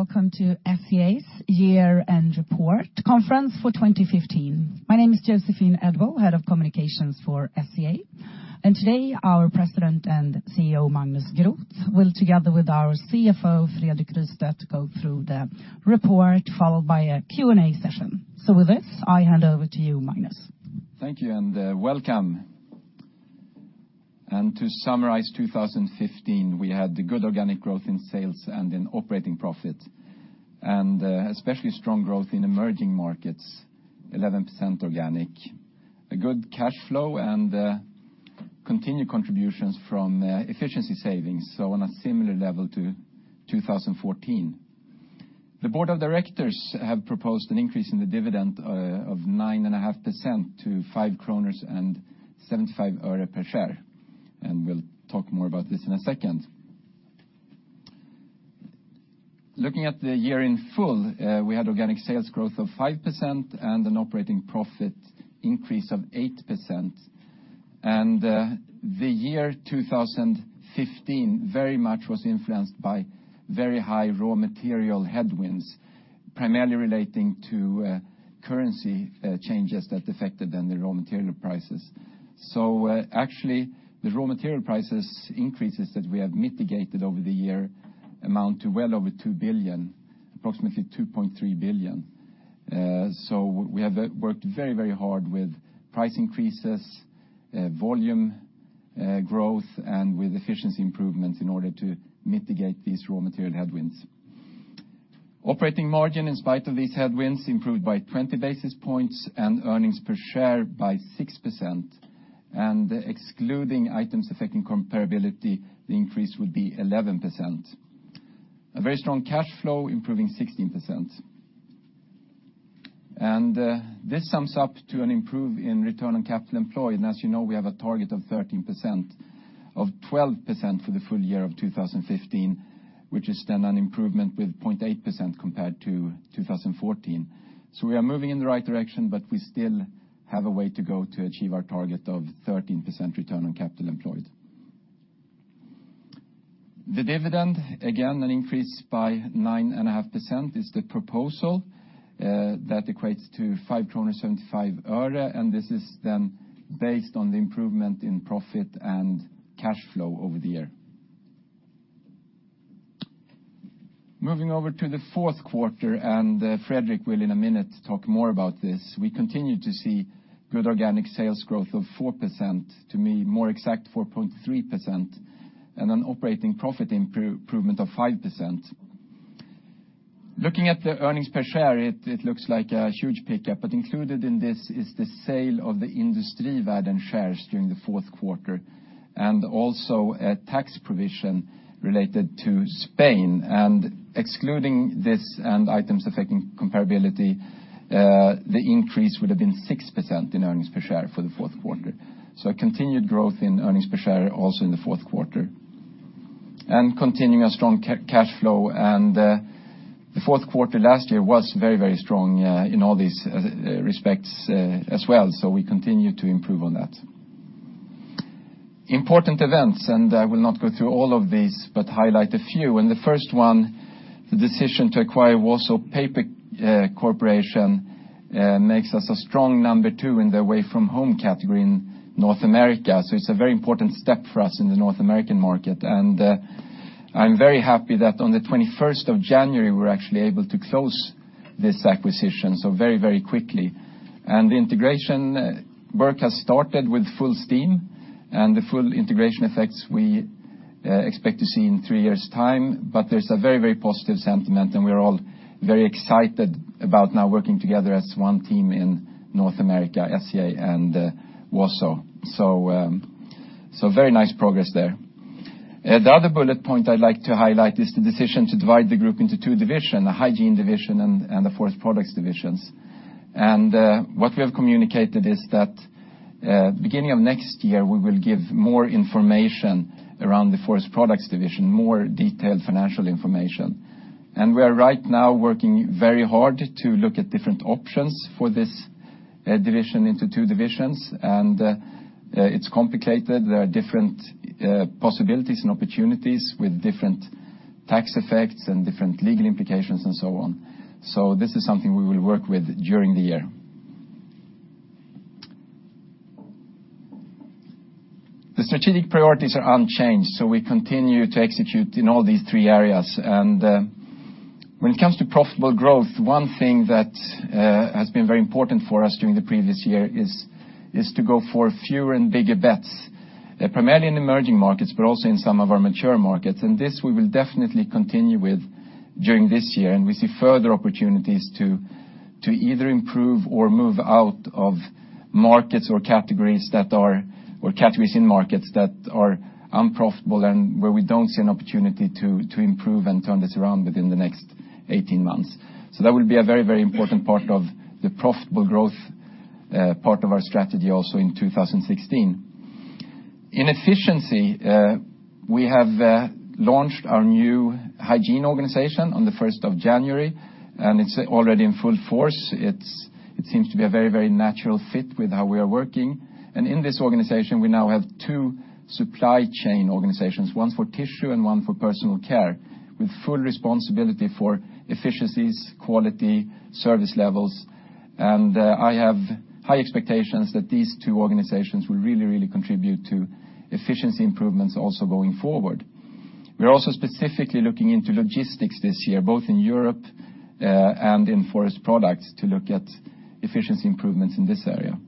Hello, and welcome to SCA's year-end report conference for 2015. My name is Joséphine Edwall-Björklund, Head of Communications for SCA. Today, our President and CEO, Magnus Groth, will together with our CFO, Fredrik Rystedt, go through the report, followed by a Q&A session. With this, I hand over to you, Magnus. Thank you, and welcome. To summarize 2015, we had good organic growth in sales and in operating profit, especially strong growth in emerging markets, 11% organic. A good cash flow and continued contributions from efficiency savings, so on a similar level to 2014. The board of directors have proposed an increase in the dividend of 9.5% to SEK 5.75 per share. We'll talk more about this in a second. Looking at the year in full, we had organic sales growth of 5% and an operating profit increase of 8%. The year 2015 very much was influenced by very high raw material headwinds, primarily relating to currency changes that affected then the raw material prices. Actually, the raw material prices increases that we have mitigated over the year amount to well over 2 billion, approximately 2.3 billion. We have worked very hard with price increases, volume growth, and with efficiency improvements in order to mitigate these raw material headwinds. Operating margin, in spite of these headwinds, improved by 20 basis points and earnings per share by 6%. Excluding items affecting comparability, the increase would be 11%. A very strong cash flow, improving 16%. This sums up to an improve in return on capital employed. As you know, we have a target of 13%, of 12% for the full year of 2015, which is then an improvement with 0.8% compared to 2014. We are moving in the right direction, but we still have a way to go to achieve our target of 13% return on capital employed. The dividend, again, an increase by 9.5% is the proposal. That equates to 5.75 kronor, and this is then based on the improvement in profit and cash flow over the year. Moving over to the fourth quarter, Fredrik will in a minute talk more about this. We continue to see good organic sales growth of 4%, to be more exact, 4.3%, and an operating profit improvement of 5%. Looking at the earnings per share, it looks like a huge pickup. Included in this is the sale of the Industrivärden shares during the fourth quarter, and also a tax provision related to Spain. Excluding this and items affecting comparability, the increase would've been 6% in earnings per share for the fourth quarter. A continued growth in earnings per share also in the fourth quarter. Continuing our strong cash flow, the fourth quarter last year was very strong in all these respects as well, so we continue to improve on that. Important events, I will not go through all of these, but highlight a few. The first one, the decision to acquire Wausau Paper Corporation, makes us a strong number 2 in the away-from-home category in North America. It's a very important step for us in the North American market. I'm very happy that on the 21st of January, we were actually able to close this acquisition, very quickly. The integration work has started with full steam, and the full integration effects we expect to see in 3 years' time. There's a very positive sentiment, and we're all very excited about now working together as one team in North America, SCA and Wausau. Very nice progress there. The other bullet point I'd like to highlight is the decision to divide the group into 2 divisions, a hygiene division and a forest products divisions. What we have communicated is that beginning of next year, we will give more information around the forest products division, more detailed financial information. We are right now working very hard to look at different options for this division into 2 divisions. It's complicated. There are different possibilities and opportunities with different tax effects and different legal implications and so on. This is something we will work with during the year. The strategic priorities are unchanged, so we continue to execute in all these 3 areas. When it comes to profitable growth, one thing that has been very important for us during the previous year is to go for fewer and bigger bets, primarily in emerging markets, but also in some of our mature markets. This we will definitely continue with during this year, and we see further opportunities to either improve or move out of markets or categories in markets that are unprofitable and where we don't see an opportunity to improve and turn this around within the next 18 months. That will be a very important part of the profitable growth part of our strategy also in 2016. In efficiency, we have launched our new hygiene organization on the 1st of January, and it's already in full force. It seems to be a very, very natural fit with how we are working. In this organization, we now have 2 supply chain organizations, one for tissue and one for personal care, with full responsibility for efficiencies, quality, service levels. I have high expectations that these 2 organizations will really, really contribute to efficiency improvements also going forward. We're also specifically looking into logistics this year, both in Europe, and in forest products to look at efficiency improvements in this area.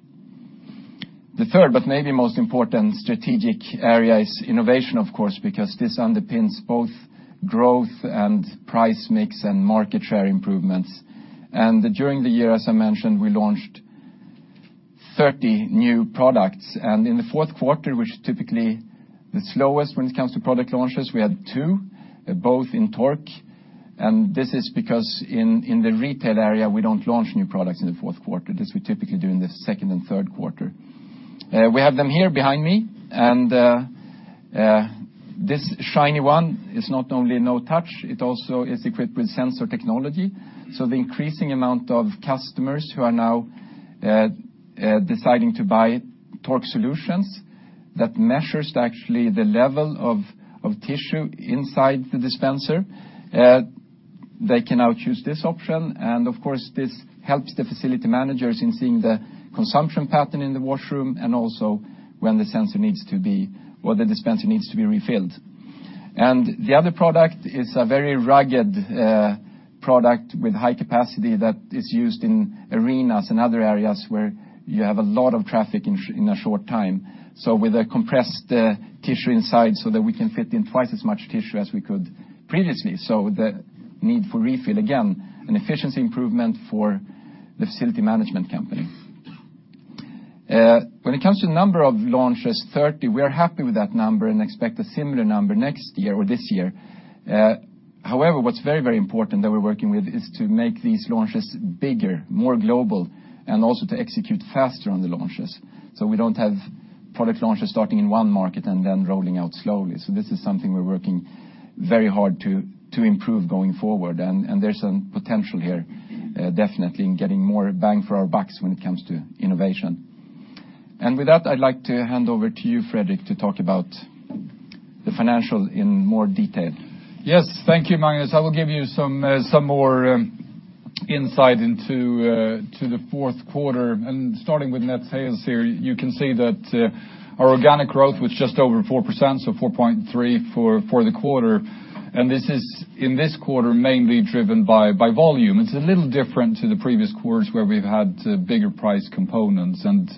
The 3rd, but maybe most important strategic area is innovation, of course, because this underpins both growth and price mix and market share improvements. During the year, as I mentioned, we launched 30 new products. In the fourth quarter, which is typically the slowest when it comes to product launches, we had 2, both in Tork. This is because in the retail area, we don't launch new products in the fourth quarter. This, we typically do in the second and third quarter. We have them here behind me, and this shiny one is not only No Touch, it also is equipped with sensor technology. So the increasing amount of customers who are now deciding to buy Tork solutions that actually measures the level of tissue inside the dispenser, they can now choose this option. And of course, this helps the facility managers in seeing the consumption pattern in the washroom and also when the sensor needs to be, or the dispenser needs to be refilled. And the other product is a very rugged product with high capacity that is used in arenas and other areas where you have a lot of traffic in a short time. So with a compressed tissue inside so that we can fit in twice as much tissue as we could previously. The need for refill, again, an efficiency improvement for the facility management company. When it comes to the number of launches, 30. We are happy with that number and expect a similar number next year or this year. However, what's very, very important that we're working with is to make these launches bigger, more global, and also to execute faster on the launches so we don't have product launches starting in one market and then rolling out slowly. So this is something we're working very hard to improve going forward, and there's some potential here, definitely, in getting more bang for our bucks when it comes to innovation. With that, I'd like to hand over to you, Fredrik, to talk about the financial in more detail. Yes. Thank you, Magnus. I will give you some more insight into the fourth quarter. Starting with net sales here, you can see that our organic growth was just over 4%, so 4.3% for the quarter. And this is, in this quarter, mainly driven by volume. It's a little different to the previous quarters, where we've had bigger price components. And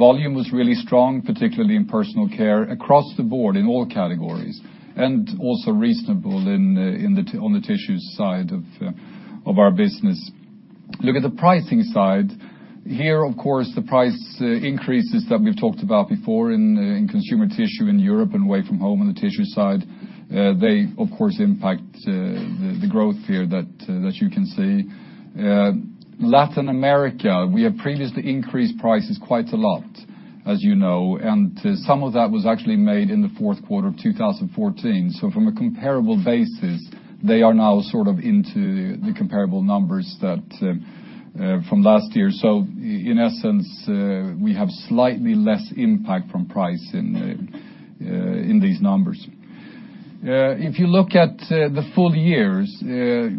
volume was really strong, particularly in personal care across the board in all categories, and also reasonable on the tissue side of our business. Look at the pricing side. Here, of course, the price increases that we've talked about before in consumer tissue in Europe and away-from-home on the tissue side, they, of course, impact the growth here that you can see. Latin America, we have previously increased prices quite a lot, as you know. Some of that was actually made in the fourth quarter of 2014. So from a comparable basis, they are now sort of into the comparable numbers from last year. So in essence, we have slightly less impact from price in these numbers. If you look at the full years,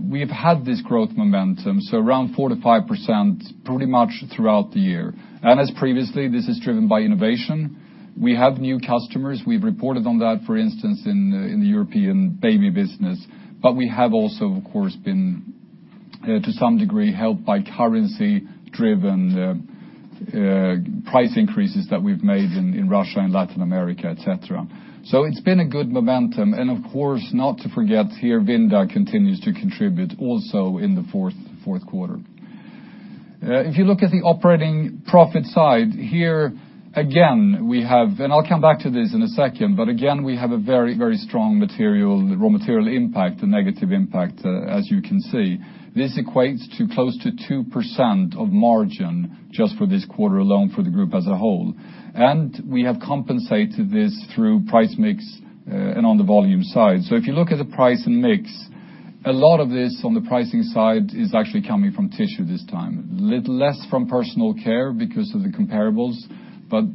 we've had this growth momentum, so around 4%-5% pretty much throughout the year. And as previously, this is driven by innovation. We have new customers. We've reported on that, for instance, in the European baby business. But we have also, of course, been to some degree helped by currency-driven price increases that we've made in Russia and Latin America, et cetera. So it's been a good momentum. And of course, not to forget here, Vinda continues to contribute also in the fourth quarter. If you look at the operating profit side, here again, we have, I'll come back to this in a second, again, we have a very, very strong raw material impact, a negative impact, as you can see. This equates to close to 2% of margin just for this quarter alone for the group as a whole. We have compensated this through price mix and on the volume side. If you look at the price and mix, a lot of this on the pricing side is actually coming from tissue this time. A little less from personal care because of the comparables,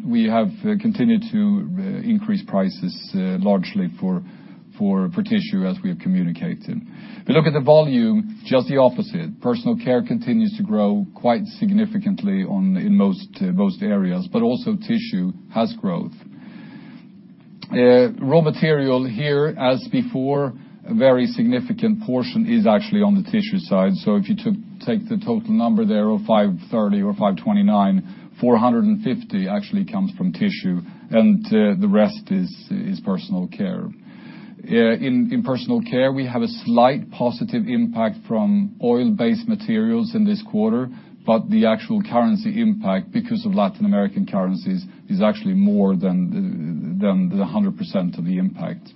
we have continued to increase prices largely for tissue as we have communicated. If you look at the volume, just the opposite. Personal care continues to grow quite significantly in most areas, but also tissue has growth. Raw material here, as before, a very significant portion is actually on the tissue side. If you take the total number there of 530 or 529, 450 actually comes from tissue, and the rest is personal care. In personal care, we have a slight positive impact from oil-based materials in this quarter, the actual currency impact because of Latin American currencies is actually more than the 100% of the impact.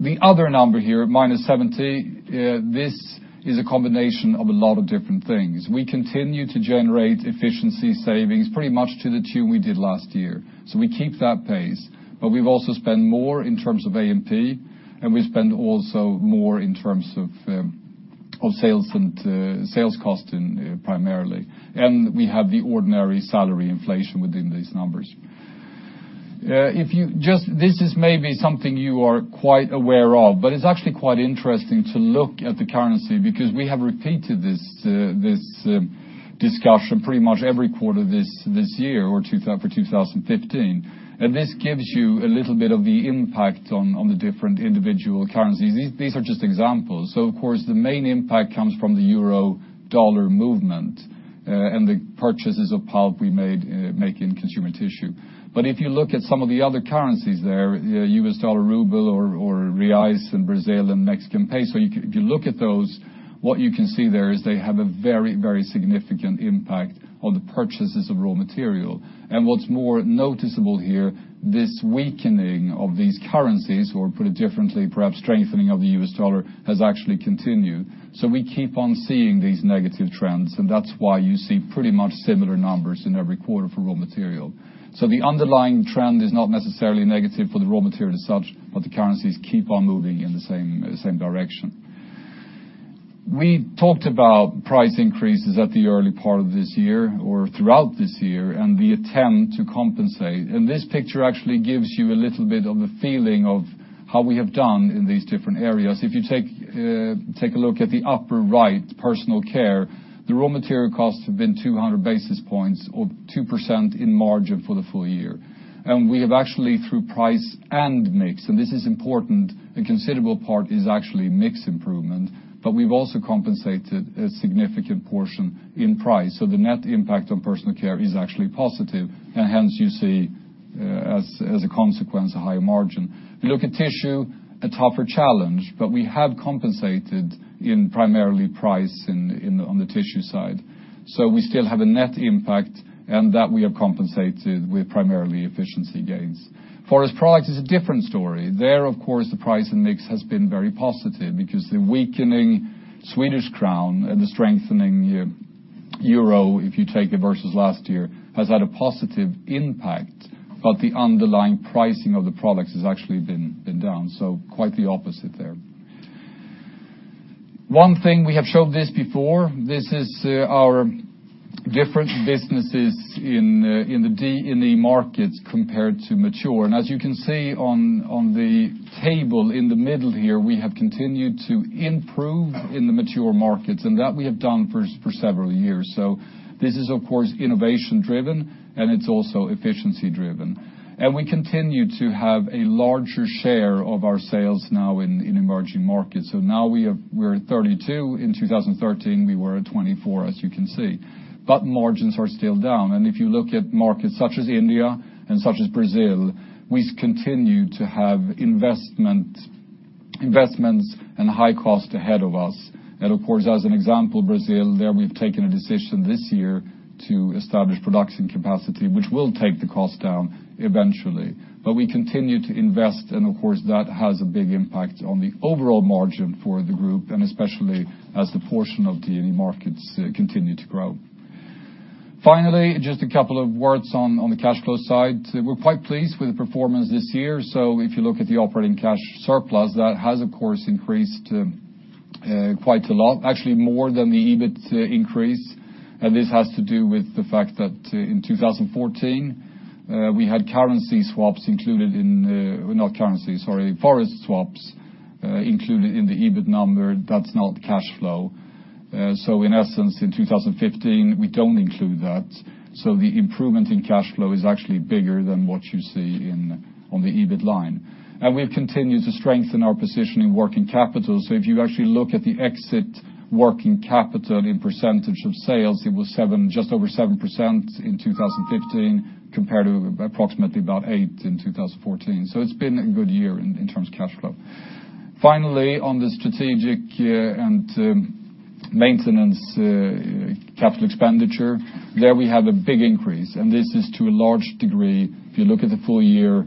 The other number here, -70, this is a combination of a lot of different things. We continue to generate efficiency savings pretty much to the tune we did last year, we keep that pace. We've also spent more in terms of A&P, and we spend also more in terms of sales cost primarily. We have the ordinary salary inflation within these numbers. This is maybe something you are quite aware of, it's actually quite interesting to look at the currency because we have repeated this discussion pretty much every quarter this year, or for 2015. This gives you a little bit of the impact on the different individual currencies. These are just examples. Of course, the main impact comes from the euro-dollar movement and the purchases of pulp we make in consumer tissue. If you look at some of the other currencies there, the US dollar, ruble or reais in Brazil and Mexican peso, if you look at those, what you can see there is they have a very significant impact on the purchases of raw material. What's more noticeable here, this weakening of these currencies, or put it differently, perhaps strengthening of the US dollar, has actually continued. We keep on seeing these negative trends, and that's why you see pretty much similar numbers in every quarter for raw material. The underlying trend is not necessarily negative for the raw material as such, the currencies keep on moving in the same direction. We talked about price increases at the early part of this year or throughout this year and the attempt to compensate. This picture actually gives you a little bit of a feeling of how we have done in these different areas. If you take a look at the upper right, personal care, the raw material costs have been 200 basis points or 2% in margin for the full year. We have actually through price and mix, and this is important, a considerable part is actually mix improvement, we've also compensated a significant portion in price. The net impact on personal care is actually positive and hence you see as a consequence, a higher margin. We look at tissue, a tougher challenge, we have compensated in primarily price on the tissue side. We still have a net impact that we have compensated with primarily efficiency gains. Forest Products is a different story. There, of course, the price and mix has been very positive because the weakening Swedish crown and the strengthening euro, if you take it versus last year, has had a positive impact. The underlying pricing of the products has actually been down. Quite the opposite there. One thing, we have shown this before, this is our different businesses in the markets compared to mature. As you can see on the table in the middle here, we have continued to improve in the mature markets, that we have done for several years. This is, of course, innovation driven and it's also efficiency driven. We continue to have a larger share of our sales now in emerging markets. Now we're at 32%. In 2013, we were at 24%, as you can see. Margins are still down, if you look at markets such as India and such as Brazil, we continue to have investments and high cost ahead of us. Of course, as an example, Brazil, there we've taken a decision this year to establish production capacity, which will take the cost down eventually. We continue to invest and of course, that has a big impact on the overall margin for the group and especially as the portion of the markets continue to grow. Finally, just a couple of words on the cash flow side. We're quite pleased with the performance this year. We look at the operating cash surplus, that has, of course, increased quite a lot, actually more than the EBIT increase. This has to do with the fact that in 2014, we had forest swaps included in the EBIT number. That's not cash flow. In essence, in 2015, we don't include that. The improvement in cash flow is actually bigger than what you see on the EBIT line. We have continued to strengthen our position in working capital. We actually look at the exit working capital in percentage of sales, it was just over 7% in 2015 compared to approximately 8% in 2014. It's been a good year in terms of cash flow. Finally, on the strategic and maintenance capital expenditure, there we have a big increase this is to a large degree, if you look at the full year,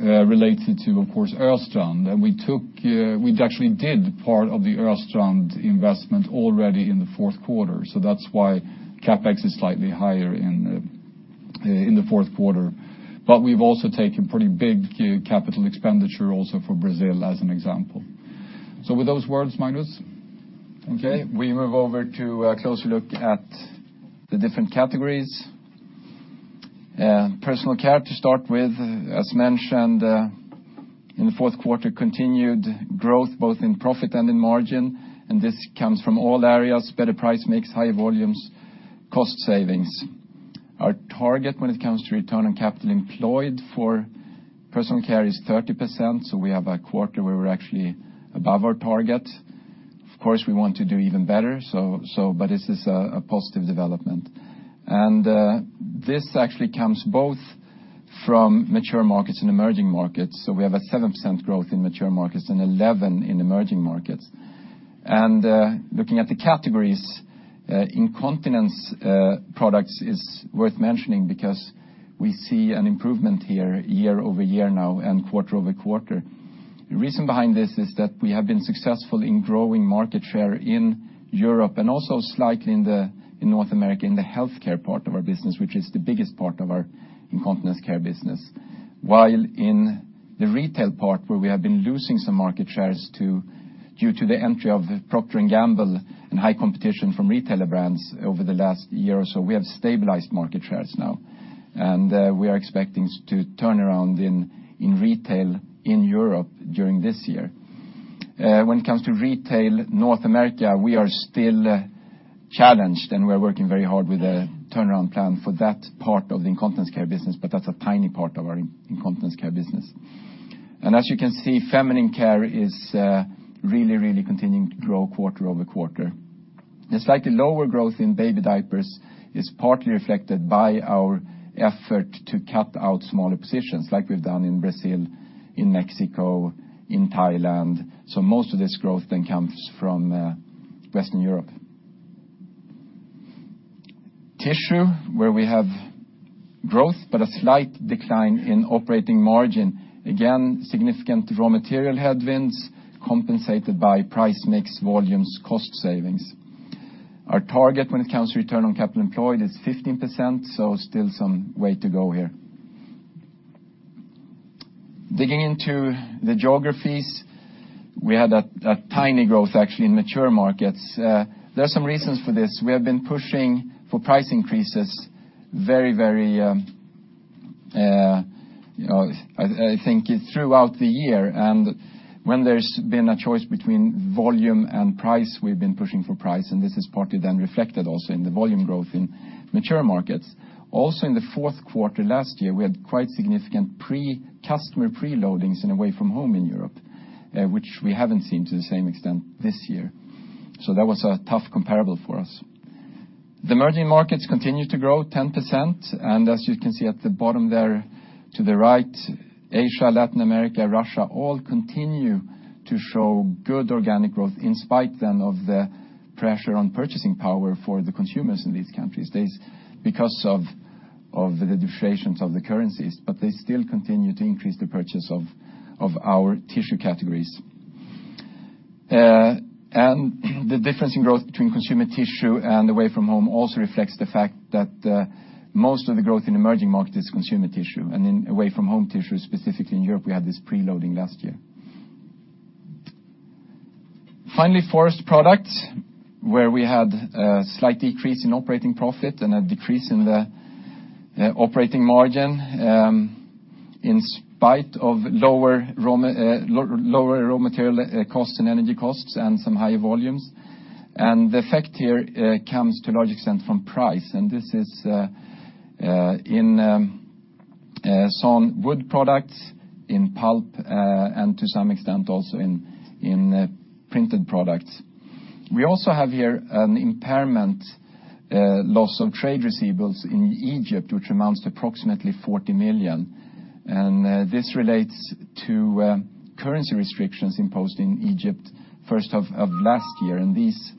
related to, of course, Östrand. We actually did part of the Östrand investment already in the fourth quarter. That's why CapEx is slightly higher in the fourth quarter. We've also taken pretty big capital expenditure also for Brazil as an example. With those words, Magnus? Okay. We move over to a closer look at the different categories. Personal care to start with, as mentioned, in the fourth quarter, continued growth both in profit and in margin. This comes from all areas, better price, mix, high volumes, cost savings. Our target when it comes to return on capital employed for personal care is 30%, so we have a quarter where we're actually above our target. Of course, we want to do even better, but this is a positive development. This actually comes both from mature markets and emerging markets. We have a 7% growth in mature markets and 11% in emerging markets. Looking at the categories, incontinence products is worth mentioning because we see an improvement here year-over-year now and quarter-over-quarter. The reason behind this is that we have been successful in growing market share in Europe and also slightly in North America in the healthcare part of our business, which is the biggest part of our incontinence care business. While in the retail part where we have been losing some market shares due to the entry of Procter & Gamble and high competition from retailer brands over the last year or so, we have stabilized market shares now, and we are expecting to turn around in retail in Europe during this year. When it comes to retail North America, we are still challenged, and we're working very hard with a turnaround plan for that part of the incontinence care business, but that's a tiny part of our incontinence care business. As you can see, feminine care is really continuing to grow quarter-over-quarter. The slightly lower growth in baby diapers is partly reflected by our effort to cut out smaller positions like we've done in Brazil, in Mexico, in Thailand. Most of this growth then comes from Western Europe. Tissue, where we have growth, but a slight decline in operating margin. Again, significant raw material headwinds compensated by price mix volumes cost savings. Our target when it comes to return on capital employed is 15%, so still some way to go here. Digging into the geographies, we had a tiny growth actually in mature markets. There are some reasons for this. We have been pushing for price increases very, I think, throughout the year. When there's been a choice between volume and price, we've been pushing for price, and this is partly then reflected also in the volume growth in mature markets. Also in the fourth quarter last year, we had quite significant customer pre-loadings in away from home in Europe, which we haven't seen to the same extent this year. That was a tough comparable for us. The emerging markets continue to grow 10%. As you can see at the bottom there to the right, Asia, Latin America, Russia, all continue to show good organic growth in spite then of the pressure on purchasing power for the consumers in these countries because of the deflations of the currencies. They still continue to increase the purchase of our tissue categories. The difference in growth between consumer tissue and away from home also reflects the fact that most of the growth in emerging markets is consumer tissue, and in away from home tissue, specifically in Europe, we had this pre-loading last year. Forest products, where we had a slight decrease in operating profit and a decrease in the operating margin in spite of lower raw material costs and energy costs and some higher volumes. The effect here comes to a large extent from price. This is in sawn wood products, in pulp, and to some extent also in printed products. We also have here an impairment loss of trade receivables in Egypt, which amounts to approximately 40 million. This relates to currency restrictions imposed in Egypt first of last year, and these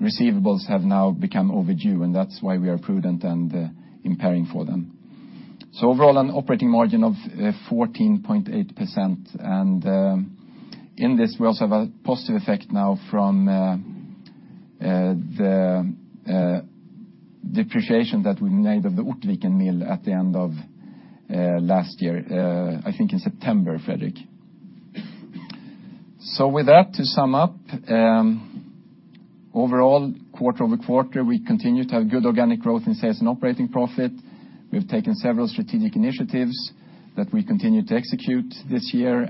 receivables have now become overdue, and that's why we are prudent and impairing for them. Overall, an operating margin of 14.8%, and in this we also have a positive effect now from the depreciation that we made of the Ort mill at vithe end of last year I think in September, Fredrik. With that, to sum up, overall quarter-over-quarter, we continue to have good organic growth in sales and operating profit. We've taken several strategic initiatives that we continue to execute this year.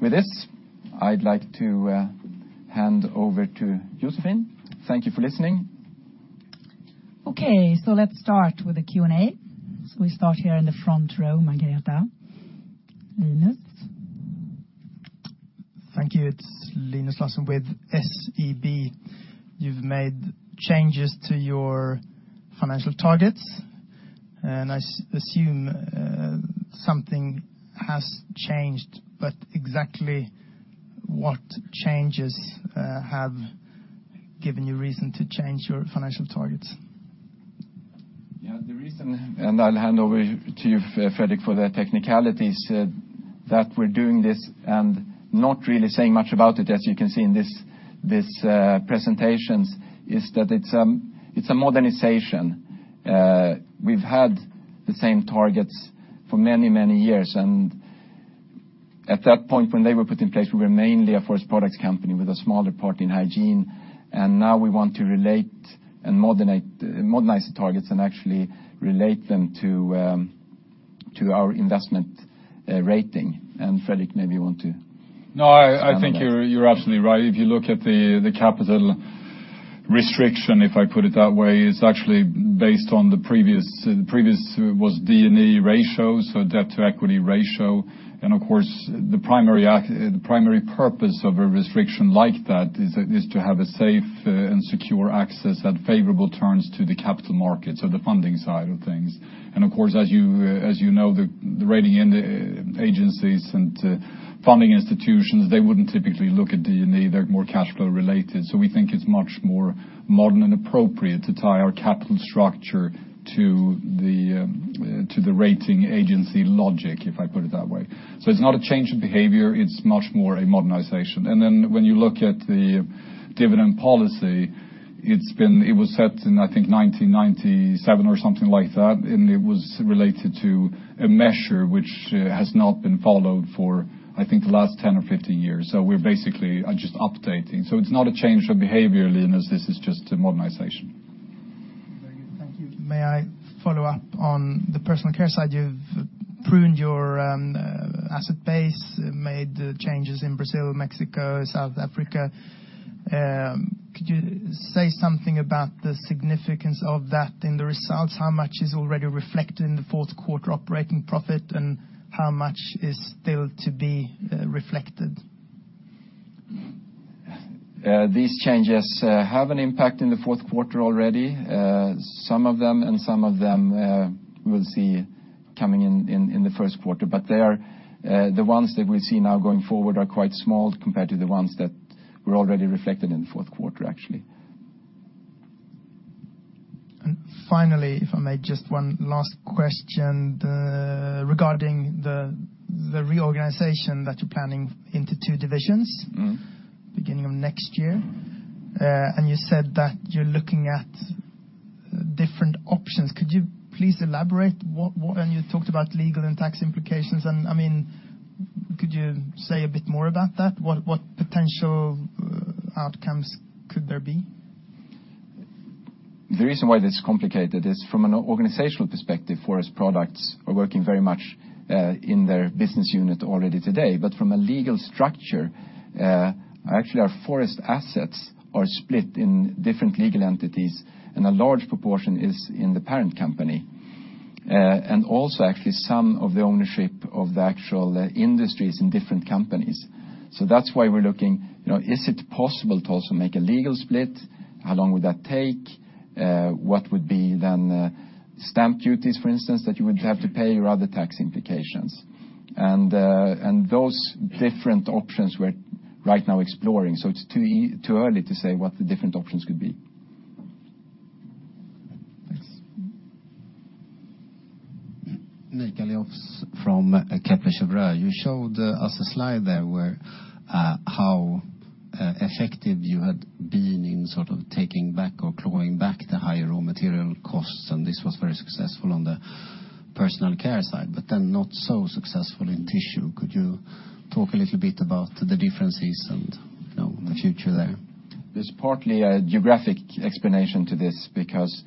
With this, I'd like to hand over to Joséphine. Thank you for listening. Let's start with the Q&A. We start here in the front row, Margareta. Linus? Thank you. It's Linus Larsson with SEB. You've made changes to your financial targets, I assume something has changed. Exactly what changes have given you reason to change your financial targets? Yeah, the reason, I'll hand over to you, Fredrik, for the technicalities, that we're doing this and not really saying much about it, as you can see in these presentations, is that it's a modernization. We've had the same targets for many years, at that point when they were put in place, we were mainly a forest products company with a smaller part in hygiene, now we want to relate and modernize the targets and actually relate them to our investment rating. Fredrik, maybe you want to expand on that. No, I think you're absolutely right. If you look at the capital restriction, if I put it that way, it's actually based on the previous was D/E ratio, so debt to equity ratio. Of course, the primary purpose of a restriction like that is to have a safe and secure access at favorable terms to the capital markets or the funding side of things. Of course, as you know, the rating agencies and funding institutions, they wouldn't typically look at D/E, they're more cash flow related. We think it's much more modern and appropriate to tie our capital structure to the rating agency logic, if I put it that way. It's not a change in behavior, it's much more a modernization. Then when you look at the dividend policy, it was set in, I think 1997 or something like that, it was related to a measure which has not been followed for, I think, the last 10 or 15 years. We're basically just updating. It's not a change of behavior, Linus, this is just a modernization. May I follow up on the personal care side? You've pruned your asset base, made changes in Brazil, Mexico, South Africa. Could you say something about the significance of that in the results? How much is already reflected in the fourth quarter operating profit, how much is still to be reflected? These changes have an impact in the fourth quarter already, some of them, and some of them we'll see coming in the first quarter. The ones that we see now going forward are quite small compared to the ones that were already reflected in the fourth quarter, actually. Finally, if I may, just one last question regarding the reorganization that you're planning into two divisions beginning of next year, and you said that you're looking at different options. Could you please elaborate? You talked about legal and tax implications, could you say a bit more about that? What potential outcomes could there be? The reason why this is complicated is from an organizational perspective, Forest Products are working very much in their business unit already today. From a legal structure, actually our forest assets are split in different legal entities, and a large proportion is in the parent company. Also, actually, some of the ownership of the actual industry is in different companies. That's why we're looking, is it possible to also make a legal split? How long would that take? What would be then stamp duties, for instance, that you would have to pay or other tax implications? Those different options we're right now exploring, it's too early to say what the different options could be. Thanks. Nick Aliofs from Kepler Cheuvreux. You showed us a slide there, how effective you had been in taking back or clawing back the higher raw material costs, this was very successful on the personal care side, not so successful in tissue. Could you talk a little bit about the differences and the future there? There's partly a geographic explanation to this, because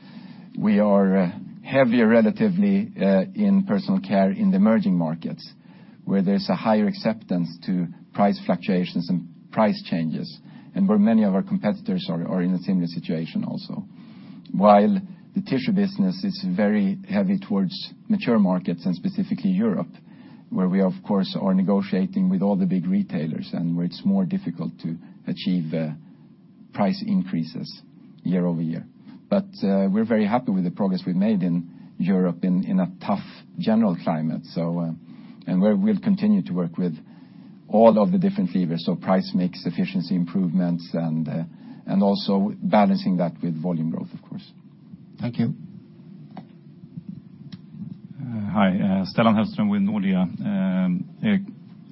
we are heavier, relatively, in personal care in the emerging markets, where there's a higher acceptance to price fluctuations and price changes, and where many of our competitors are in a similar situation also. While the tissue business is very heavy towards mature markets and specifically Europe, where we of course, are negotiating with all the big retailers, and where it's more difficult to achieve price increases year over year. We're very happy with the progress we've made in Europe in a tough general climate. We'll continue to work with all of the different levers, so price mix, efficiency improvements, and also balancing that with volume growth, of course. Thank you. Hi. Stellan Hellström with Nordea.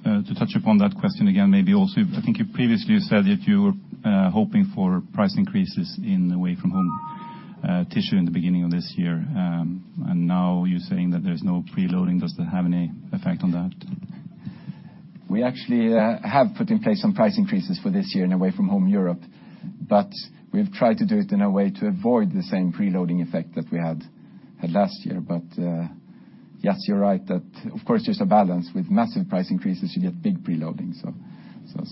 To touch upon that question again, maybe also I think you previously said that you were hoping for price increases in away-from-home tissue in the beginning of this year, and now you're saying that there's no preloading. Does that have any effect on that? We actually have put in place some price increases for this year in away-from-home Europe, we've tried to do it in a way to avoid the same preloading effect that we had last year. Yes, you're right that of course there's a balance with massive price increases, you get big preloading.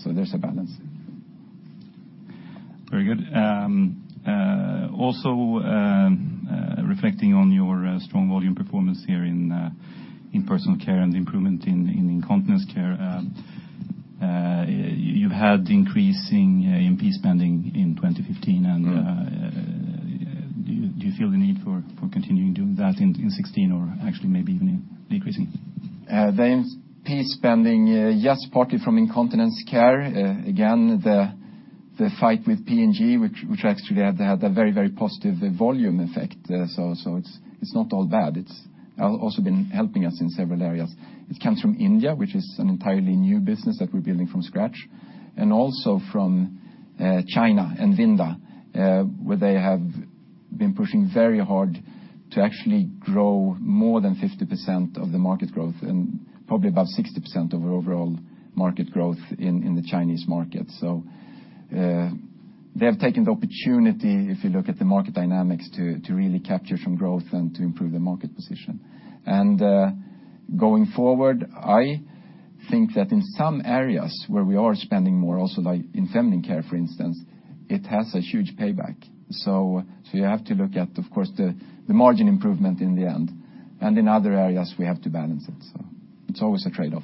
There's a balance. Very good. Also, reflecting on your strong volume performance here in personal care and the improvement in incontinence care, you've had increasing A&P spending in 2015 and do you feel the need for continuing doing that in 2016 or actually maybe even decreasing? The A&P spending, yes, partly from incontinence care. Again, the fight with P&G, which actually had a very positive volume effect. It's not all bad. It's also been helping us in several areas. It comes from India, which is an entirely new business that we're building from scratch. Also from China and Vinda, where they have been pushing very hard to actually grow more than 50% of the market growth and probably about 60% of overall market growth in the Chinese market. They have taken the opportunity, if you look at the market dynamics, to really capture some growth and to improve their market position. Going forward, I think that in some areas where we are spending more also, like in feminine care, for instance, it has a huge payback. You have to look at, of course, the margin improvement in the end. In other areas, we have to balance it. It's always a trade-off.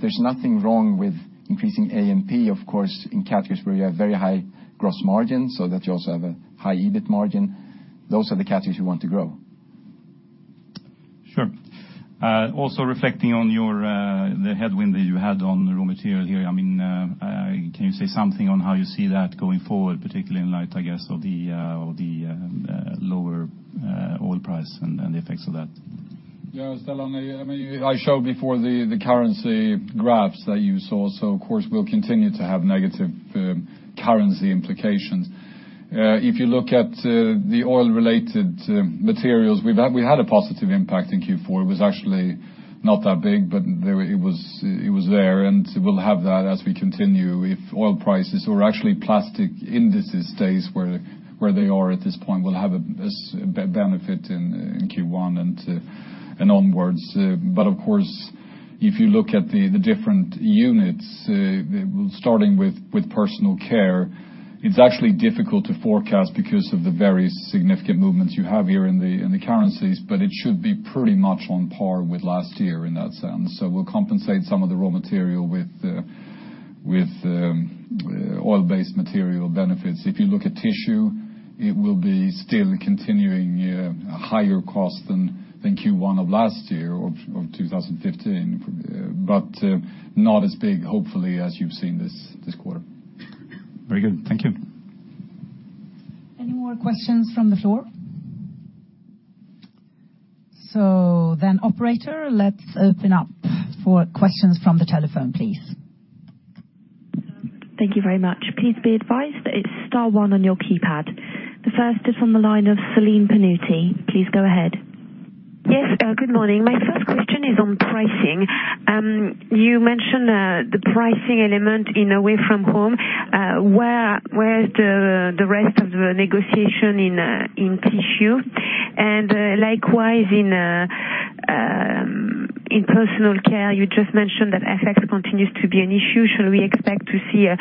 There's nothing wrong with increasing A&P, of course, in categories where you have very high gross margins so that you also have a high EBIT margin. Those are the categories you want to grow. Sure. Also reflecting on the headwind that you had on the raw material here, can you say something on how you see that going forward, particularly in light, I guess, of the lower oil price and the effects of that? Yeah, Stellan, I showed before the currency graphs that you saw. Of course, we'll continue to have negative currency implications. If you look at the oil-related materials, we've had a positive impact in Q4. It was actually not that big, but it was there, and we'll have that as we continue. If oil prices or actually plastic indices stays where they are at this point, we'll have a benefit in Q1 and onwards. Of course, if you look at the different units, starting with personal care, it's actually difficult to forecast because of the very significant movements you have here in the currencies, but it should be pretty much on par with last year in that sense. We'll compensate some of the raw material with oil-based material benefits. If you look at tissue, it will be still continuing higher cost than Q1 of last year, of 2015, but not as big, hopefully, as you've seen this quarter. Very good. Thank you. Any more questions from the floor? Operator, let's open up for questions from the telephone, please. Thank you very much. Please be advised that it's star one on your keypad. The first is on the line of Celine Pannuti. Please go ahead. Yes. Good morning. My first question is on pricing. You mentioned the pricing element in away from home. Where is the rest of the negotiation in tissue? Likewise in personal care, you just mentioned that FX continues to be an issue. Should we expect to see a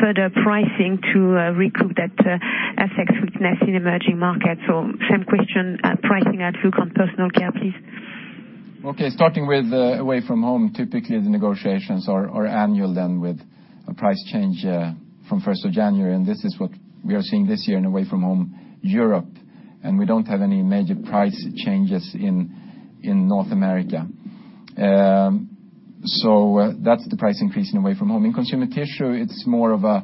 further pricing to recoup that FX weakness in emerging markets? Same question, pricing outlook on personal care, please. Okay, starting with away from home, typically the negotiations are annual then with a price change from 1st of January. This is what we are seeing this year in away from home Europe, and we don't have any major price changes in North America. That's the price increase in away from home. In consumer tissue, it's more of a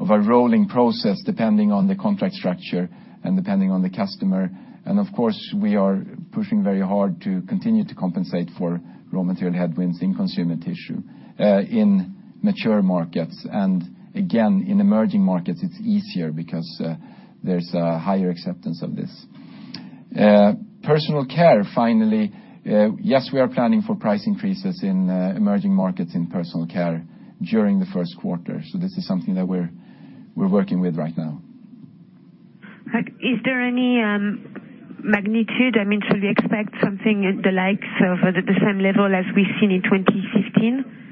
rolling process, depending on the contract structure and depending on the customer. Of course, we are pushing very hard to continue to compensate for raw material headwinds in consumer tissue in mature markets. Again, in emerging markets, it's easier because there's a higher acceptance of this. Personal care, finally, yes, we are planning for price increases in emerging markets in personal care during the first quarter. This is something that we're working with right now. Is there any magnitude? Should we expect something the likes of the same level as we've seen in 2015?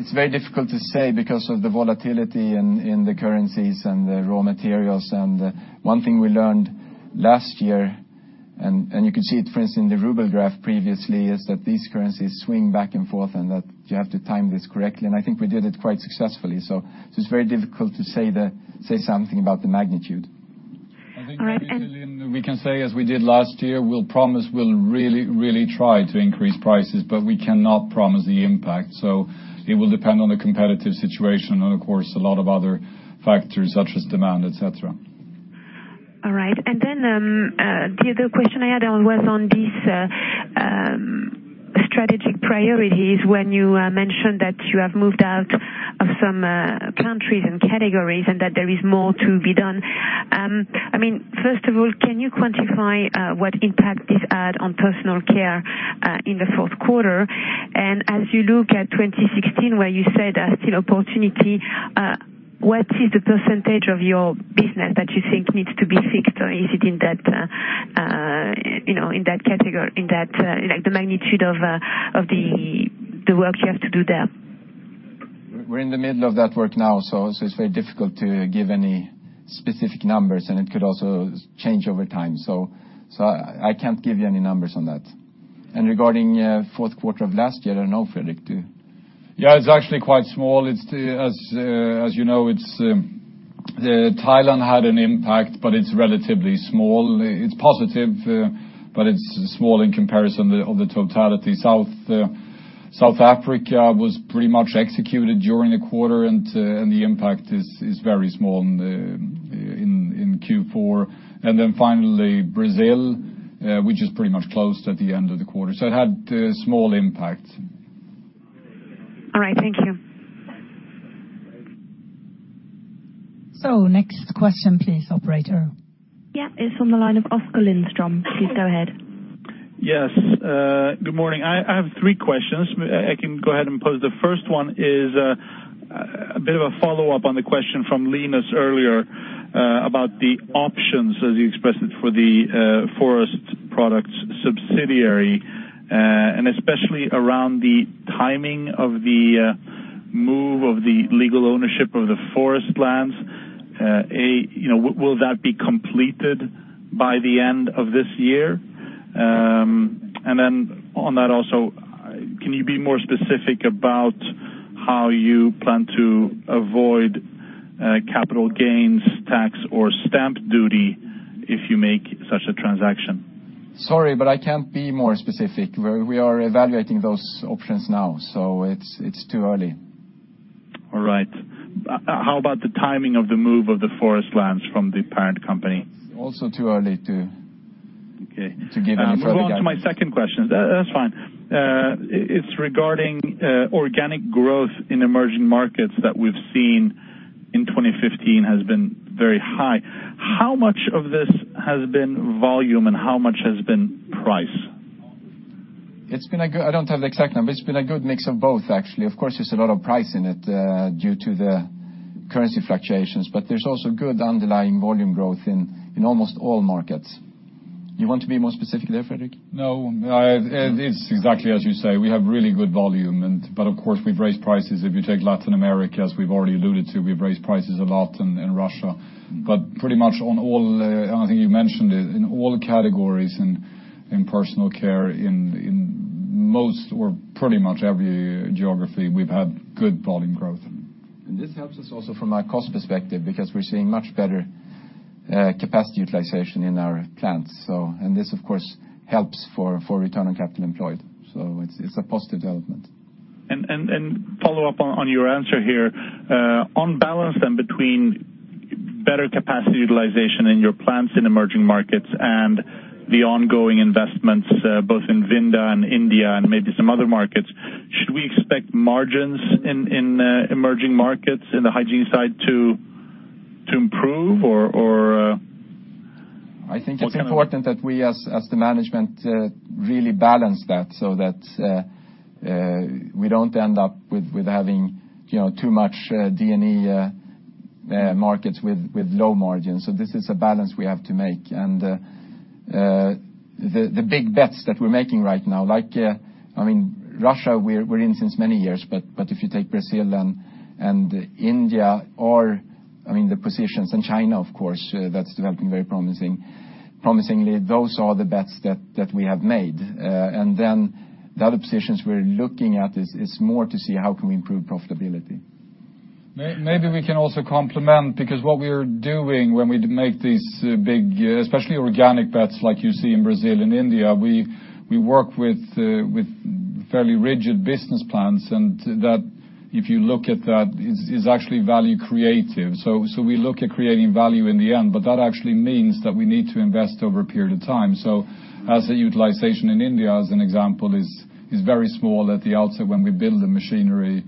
It's very difficult to say because of the volatility in the currencies and the raw materials. One thing we learned last year, and you could see it, for instance, in the ruble graph previously, is that these currencies swing back and forth and that you have to time this correctly. I think we did it quite successfully. It's very difficult to say something about the magnitude. I think maybe Celine, we can say as we did last year, we'll promise we'll really try to increase prices, but we cannot promise the impact. It will depend on the competitive situation and, of course, a lot of other factors such as demand, et cetera. All right. The other question I had was on these strategic priorities when you mentioned that you have moved out of some countries and categories and that there is more to be done. First of all, can you quantify what impact this had on personal care in the fourth quarter? As you look at 2016, where you said there's still opportunity, what is the % of your business that you think needs to be fixed, or is it in that magnitude of the work you have to do there? We're in the middle of that work now, it's very difficult to give any specific numbers, and it could also change over time. I can't give you any numbers on that. Regarding fourth quarter of last year, I don't know, Fredrik, do you? Yeah, it's actually quite small. As you know, Thailand had an impact, but it's relatively small. It's positive, but it's small in comparison of the totality. South Africa was pretty much executed during the quarter, and the impact is very small in Q4. Finally Brazil, which is pretty much closed at the end of the quarter, so it had a small impact. All right. Thank you. Next question, please, operator. Yeah, it's on the line of Oskar Lindström. Please go ahead. Yes. Good morning. I have three questions. I can go ahead and pose. The first one is a bit of a follow-up on the question from Linus earlier about the options, as you expressed it, for the forest products subsidiary, and especially around the timing of the move of the legal ownership of the forest lands. Will that be completed by the end of this year? On that also, can you be more specific about how you plan to avoid capital gains tax or stamp duty if you make such a transaction? Sorry, I can't be more specific. We are evaluating those options now, it's too early. All right. How about the timing of the move of the forest lands from the parent company? Also too early to Okay. To give answer, yeah. I'll move on to my second question. That's fine. It's regarding organic growth in emerging markets that we've seen in 2015 has been very high. How much of this has been volume and how much has been price? I don't have the exact number. It's been a good mix of both, actually. Of course, there's a lot of price in it due to the currency fluctuations, but there's also good underlying volume growth in almost all markets. You want to be more specific there, Fredrik? No. It's exactly as you say. We have really good volume, but of course, we've raised prices. If you take Latin America, as we've already alluded to, we've raised prices a lot in Russia. Pretty much on all, I think you mentioned it, in all categories in personal care, in most or pretty much every geography, we've had good volume growth. This helps us also from a cost perspective, because we're seeing much better capacity utilization in our plants. This, of course, helps for return on capital employed. It's a positive development. Follow up on your answer here. On balance, then, between better capacity utilization in your plants in emerging markets and the ongoing investments both in Vinda and India and maybe some other markets, should we expect margins in emerging markets in the hygiene side to improve? I think it's important that we as the management really balance that so that we don't end up with having too much D&E markets with low margins. This is a balance we have to make. The big bets that we're making right now, like Russia, we're in since many years, but if you take Brazil and India, the positions in China, of course, that's developing very promisingly. Those are the bets that we have made. The other positions we're looking at is more to see how can we improve profitability. Maybe we can also complement, because what we're doing when we make these big, especially organic bets like you see in Brazil and India, we work with fairly rigid business plans and that if you look at that, is actually value creative. We look at creating value in the end, but that actually means that we need to invest over a period of time. Asset utilization in India, as an example, is very small at the outset when we build the machinery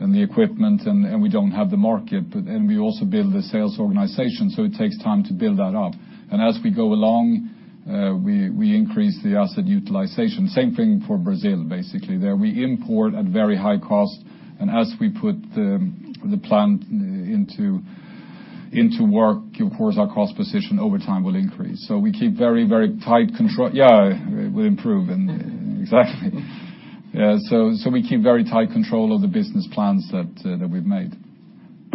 and the equipment, and we don't have the market. We also build the sales organization, so it takes time to build that up. As we go along, we increase the asset utilization. Same thing for Brazil, basically. There we import at very high cost, and as we put the plant into work, of course, our cost position over time will increase. We keep very, very tight control. Yeah, it will improve. Exactly. Yeah. We keep very tight control of the business plans that we've made.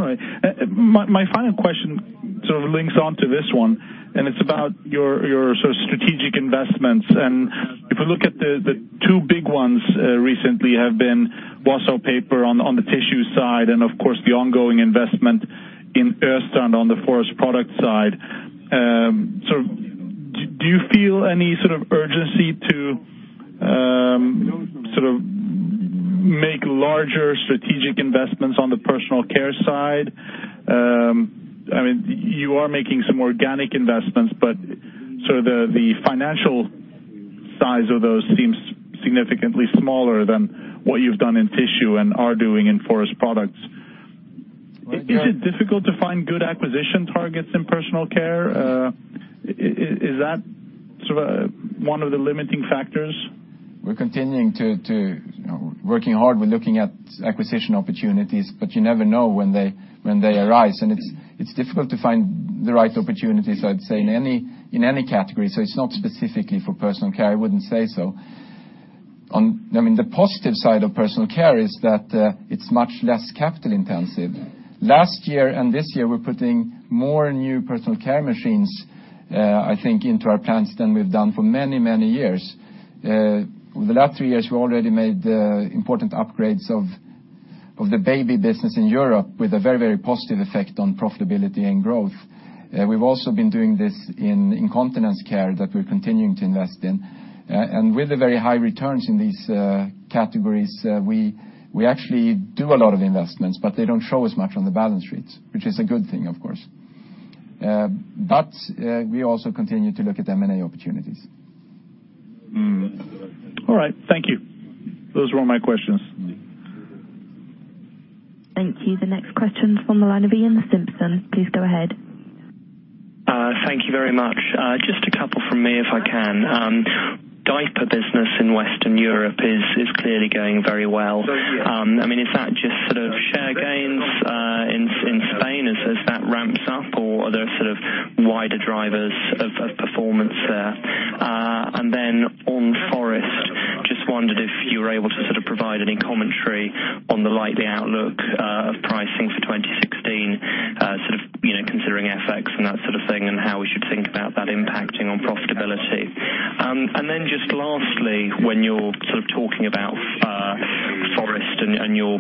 All right. My final question sort of links onto this one, and it's about your sort of strategic investments. If we look at the two big ones recently have been Wausau Paper on the tissue side and, of course, the ongoing investment in Östrand on the forest product side. Do you feel any sort of urgency to make larger strategic investments on the personal care side? You are making some organic investments, but the financial size of those seems significantly smaller than what you've done in tissue and are doing in forest products. Well, yeah. Is it difficult to find good acquisition targets in personal care? Is that one of the limiting factors? We're continuing to working hard. We're looking at acquisition opportunities, but you never know when they arise, and it's difficult to find the right opportunities, I'd say, in any category. It's not specifically for personal care. I wouldn't say so. The positive side of personal care is that it's much less capital intensive. Last year and this year, we're putting more new personal care machines, I think, into our plants than we've done for many, many years. Over the last three years, we already made important upgrades of the baby business in Europe with a very, very positive effect on profitability and growth. We've also been doing this in incontinence care that we're continuing to invest in. With the very high returns in these categories, we actually do a lot of investments, but they don't show as much on the balance sheets, which is a good thing, of course. We also continue to look at M&A opportunities. All right. Thank you. Those were all my questions. Thank you. The next question, from the line of Iain Simpson. Please go ahead. Thank you very much. Just a couple from me, if I can. Diaper business in Western Europe is clearly going very well. Is that just sort of share gains in Spain as that ramps up, or are there sort of wider drivers of performance there? On forest, just wondered if you were able to sort of provide any commentary on the likely outlook of pricing for 2016, considering FX and that sort of thing and how we should think about that impacting on profitability. Just lastly, when you're sort of talking about forest and your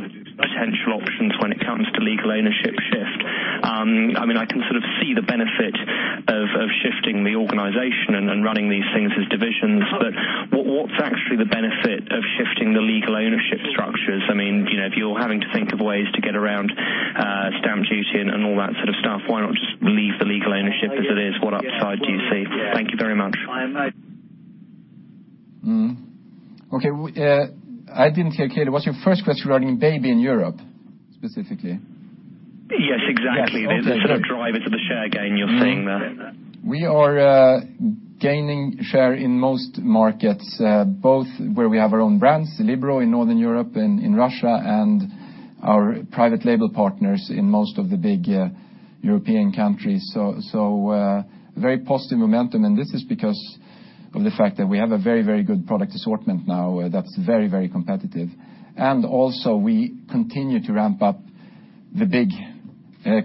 potential options when it comes to legal ownership shift, I can sort of see the benefit of shifting the organization and running these things as divisions, but what's actually the benefit of shifting the legal ownership structures? If you're having to think of ways to get around Stamp duty and all that sort of stuff. Why not just leave the legal ownership as it is? What upside do you see? Thank you very much. Okay. I didn't hear clearly. Was your first question regarding baby in Europe specifically? Yes, exactly. The sort of driver to the share gain you're seeing there. We are gaining share in most markets, both where we have our own brands, Libero in Northern Europe and in Russia and our private label partners in most of the big European countries. Very positive momentum, and this is because of the fact that we have a very good product assortment now that's very competitive. Also we continue to ramp up the big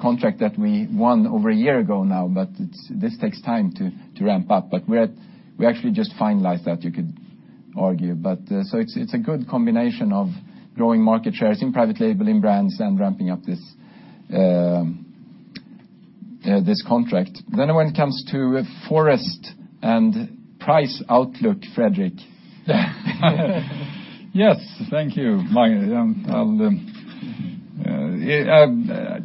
contract that we won over a year ago now, but this takes time to ramp up. We actually just finalized that, you could argue. It's a good combination of growing market shares in private label, in brands, and ramping up this contract. When it comes to forest and price outlook, Fredrik? Yes. Thank you, Magnus.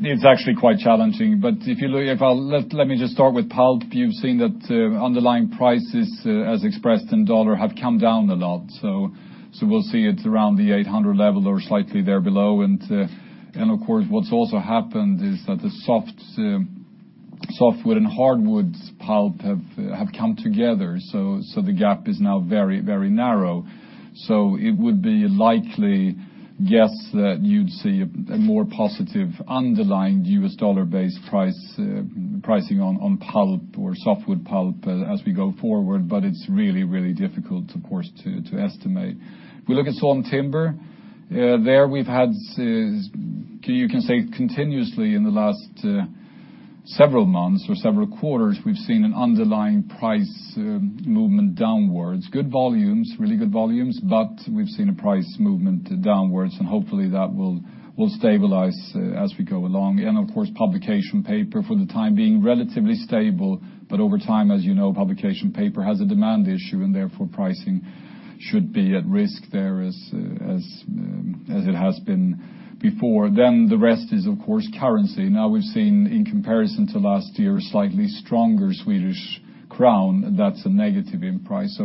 It's actually quite challenging. Let me just start with pulp. You've seen that underlying prices as expressed in USD have come down a lot. We'll see it around the $800 level or slightly there below. Of course, what's also happened is that the softwood and hardwoods pulp have come together. The gap is now very narrow. It would be a likely guess that you'd see a more positive underlying US dollar-based pricing on pulp or softwood pulp as we go forward, but it's really difficult, of course, to estimate. If we look at sawn timber, there we've had, you can say continuously in the last several months or several quarters, we've seen an underlying price movement downwards. Good volumes, really good volumes, but we've seen a price movement downwards, and hopefully that will stabilize as we go along. Of course, publication paper for the time being, relatively stable, but over time, as you know, publication paper has a demand issue and therefore pricing should be at risk there as it has been before. The rest is, of course, currency. We've seen, in comparison to last year, a slightly stronger SEK. That's a negative in price.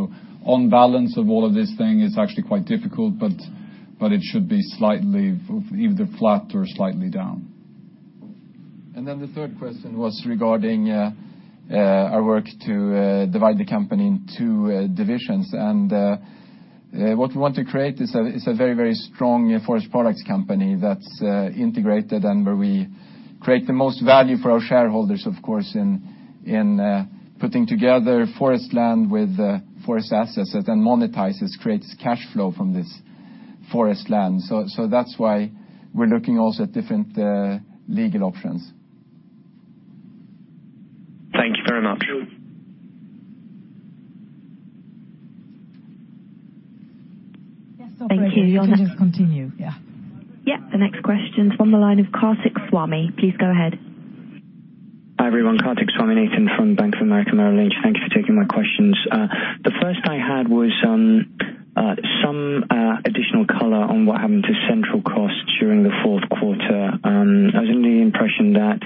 On balance of all of this thing, it's actually quite difficult, but it should be either flat or slightly down. The third question was regarding our work to divide the company in two divisions. What we want to create is a very strong forest products company that's integrated and where we create the most value for our shareholders, of course, in putting together forest land with forest assets and then monetizes, creates cash flow from this forest land. That's why we're looking also at different legal options. Thank you very much. Thank you. Yes, operator, you can just continue. Yeah, the next question's from the line of Kartik Swamynathan. Please go ahead. Hi, everyone. Kartik Swaminathan from Bank of America Merrill Lynch. Thank you for taking my questions. The first I had was some additional color on what happened to central costs during the fourth quarter. I was under the impression that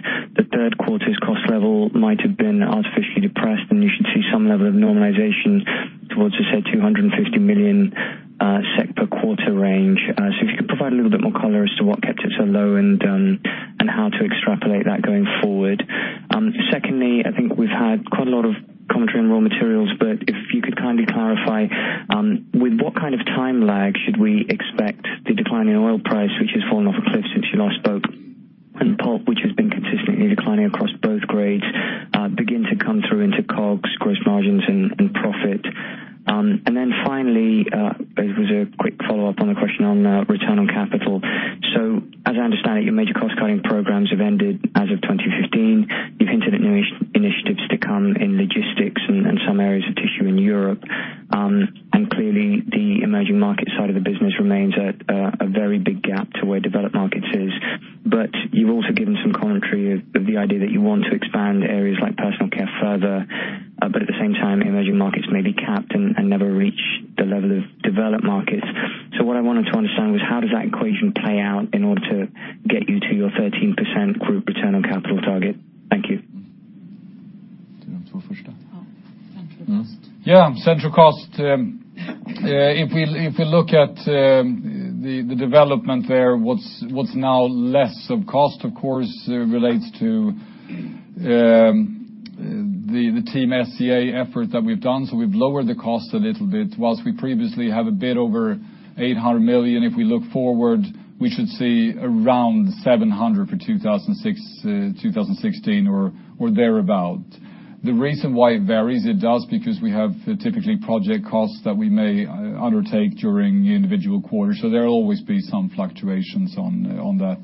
The reason why it varies, it does because we have typically project costs that we may undertake during individual quarters. There'll always be some fluctuations on that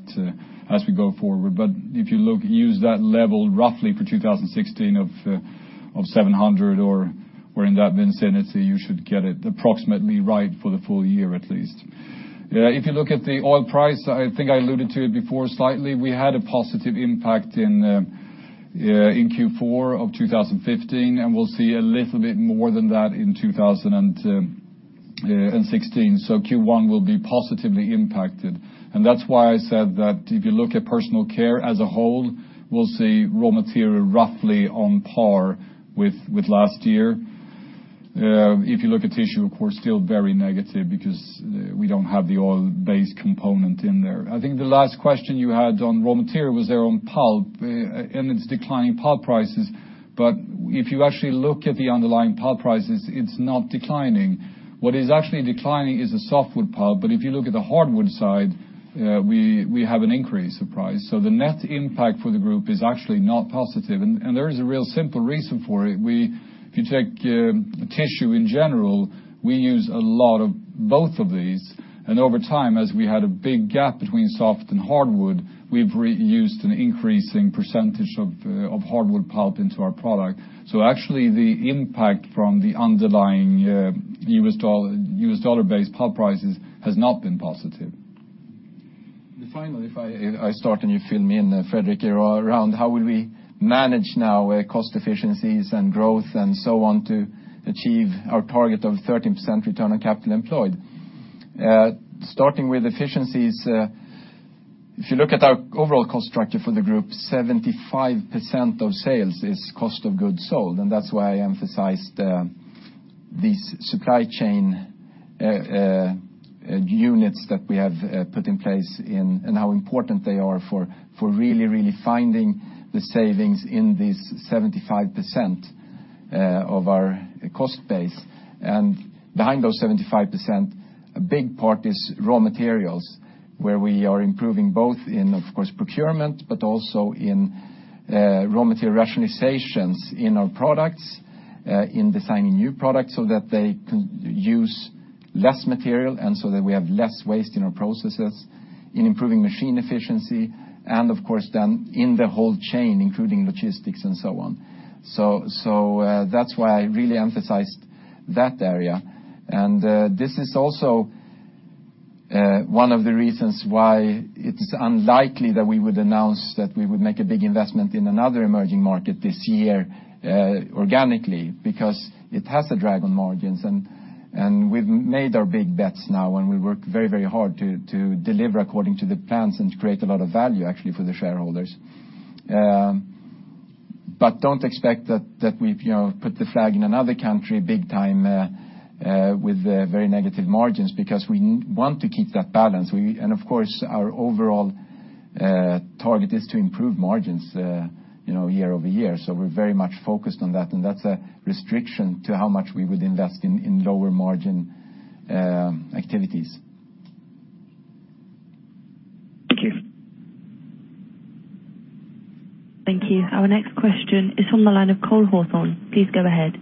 as we go forward. But if you use that level roughly for 2016 of 700 million or in that vicinity, you should get it approximately right for the full year at least. If you look at the oil price, I think I alluded to it before slightly. We had a positive impact in Q4 of 2015, and we'll see a little bit more than that in 2016. Q1 will be positively impacted. That's why I said that if you look at personal care as a whole, we'll see raw material roughly on par with last year. If you look at tissue, of course, still very negative because we don't have the oil base component in there. I think the last question you had on raw material was there on pulp and its declining pulp prices. If you actually look at the underlying pulp prices, it's not declining. What is actually declining is the softwood pulp, but if you look at the hardwood side, we have an increase of price. The net impact for the group is actually not positive. There is a real simple reason for it. If you take tissue in general, we use a lot of both of these. Over time, as we had a big gap between soft and hardwood, we've used an increasing percentage of hardwood pulp into our product. Actually, the impact from the underlying US dollar-based pulp prices has not been positive. Finally, if I start and you fill me in, Fredrik, around how will we manage now cost efficiencies and growth and so on to achieve our target of 13% return on capital employed? Starting with efficiencies, if you look at our overall cost structure for the group, 75% of sales is cost of goods sold, and that's why I emphasized these supply chain units that we have put in place and how important they are for really finding the savings in this 75% of our cost base. Behind those 75%, a big part is raw materials, where we are improving both in, of course, procurement, but also in raw material rationalizations in our products, in designing new products so that they can use less material and so that we have less waste in our processes, in improving machine efficiency, and of course then in the whole chain, including logistics and so on. That's why I really emphasized that area. This is also one of the reasons why it's unlikely that we would announce that we would make a big investment in another emerging market this year organically, because it has a drag on margins, and we've made our big bets now, and we work very hard to deliver according to the plans and to create a lot of value actually for the shareholders. Don't expect that we put the flag in another country big time with very negative margins, because we want to keep that balance. Of course, our overall target is to improve margins year over year. We're very much focused on that, and that's a restriction to how much we would invest in lower margin activities. Thank you. Thank you. Our next question is from the line of Cole Hathorn. Please go ahead.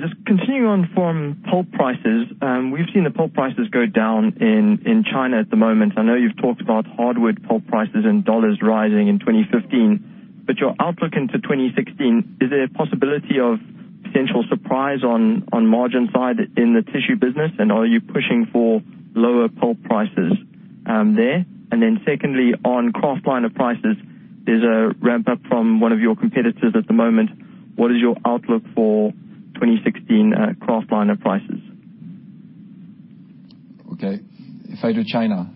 Just continuing on from pulp prices. We've seen the pulp prices go down in China at the moment. I know you've talked about hardwood pulp prices and USD rising in 2015. Your outlook into 2016, is there a possibility of potential surprise on margin side in the tissue business? Are you pushing for lower pulp prices there? Secondly, on kraftliner prices, there's a ramp up from one of your competitors at the moment. What is your outlook for 2016 kraftliner prices? Okay. If I do China,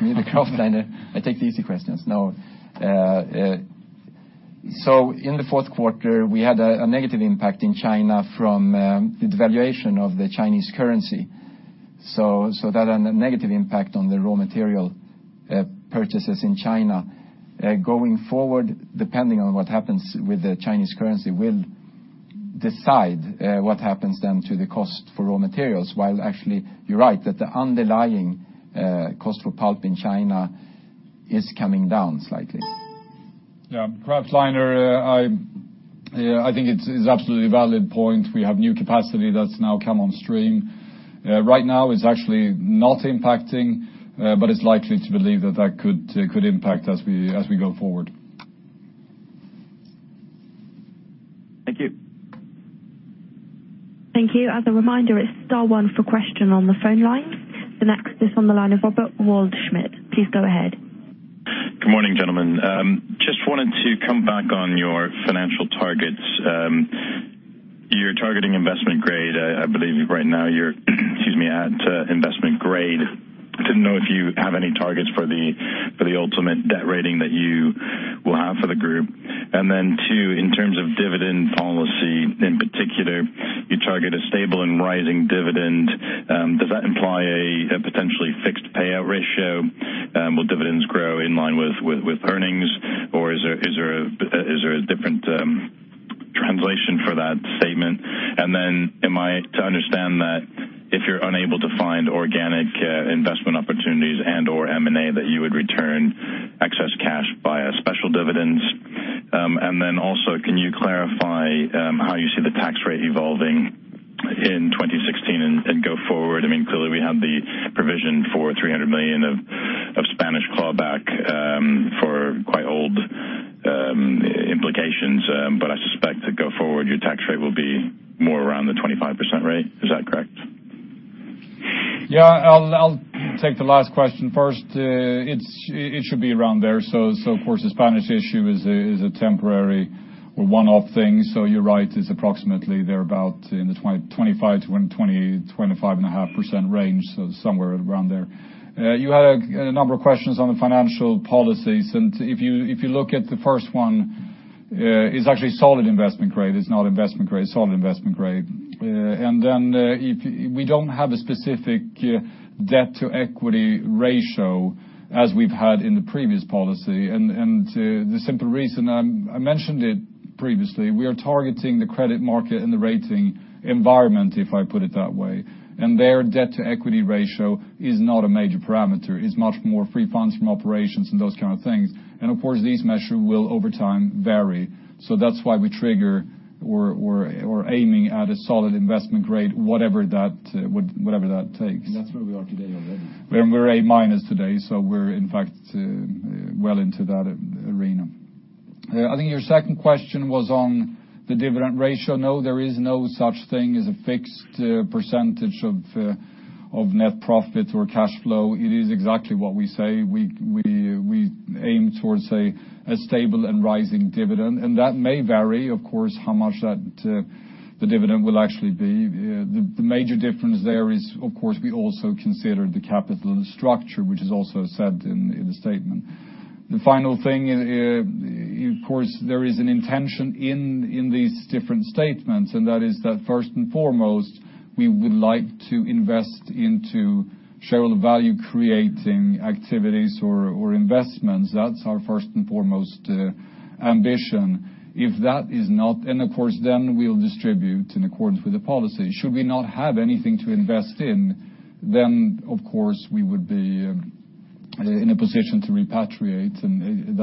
you do the kraftliner. I take the easy questions. No. In the fourth quarter, we had a negative impact in China from the devaluation of the Chinese currency. That had a negative impact on the raw material purchases in China. Going forward, depending on what happens with the Chinese currency, will decide what happens then to the cost for raw materials. While actually, you're right, that the underlying cost for pulp in China is coming down slightly. Yeah. Kraftliner, I think it's absolutely a valid point. We have new capacity that's now come on stream. Right now it's actually not impacting, but it's likely to believe that that could impact as we go forward. Thank you. Thank you. As a reminder, it's star one for question on the phone line. The next is on the line of Robert Waldschmidt. Please go ahead. Good morning, gentlemen. Just wanted to come back on your financial targets. You're targeting investment grade, I believe right now you're at investment grade. Didn't know if you have any targets for the ultimate debt rating that you will have for the group. 2, in terms of dividend policy in particular, you target a stable and rising dividend. Does that imply a potentially fixed payout ratio? Will dividends grow in line with earnings? Or is there a different translation for that statement? Am I to understand that if you're unable to find organic investment opportunities and/or M&A that you would return excess cash via special dividends? Also, can you clarify how you see the tax rate evolving in 2016 and go forward? Clearly, we have the provision for 300 million of Spanish clawback for quite old implications, I suspect that go forward, your tax rate will be more around the 25% rate. Is that correct? Yeah, I'll take the last question first. It should be around there. Of course, the Spanish issue is a temporary or one-off thing. You're right, it's approximately thereabout in the 25% to 20%, 25.5% range, somewhere around there. You had a number of questions on the financial policies, if you look at the first one, it's actually solid investment grade. It's not investment grade, solid investment grade. We don't have a specific debt-to-equity ratio as we've had in the previous policy. The simple reason, I mentioned it previously, we are targeting the credit market and the rating environment, if I put it that way. Their debt-to-equity ratio is not a major parameter. It's much more free funds from operations and those kind of things. Of course, these measures will, over time, vary. That's why we trigger or are aiming at a solid investment grade, whatever that takes. That's where we are today already. We're A- today, we're, in fact, well into that arena. I think your second question was on the dividend ratio. There is no such thing as a fixed percentage of net profit or cash flow. It is exactly what we say. We aim towards a stable and rising dividend. That may vary, of course, how much the dividend will actually be. The major difference there is, of course, we also consider the capital structure, which is also said in the statement. The final thing, of course, there is an intention in these different statements, and that is that first and foremost, we would like to invest into shareholder value creating activities or investments. That's our first and foremost ambition. Of course, then we'll distribute in accordance with the policy. Should we not have anything to invest in, then of course, we would be in a position to repatriate, and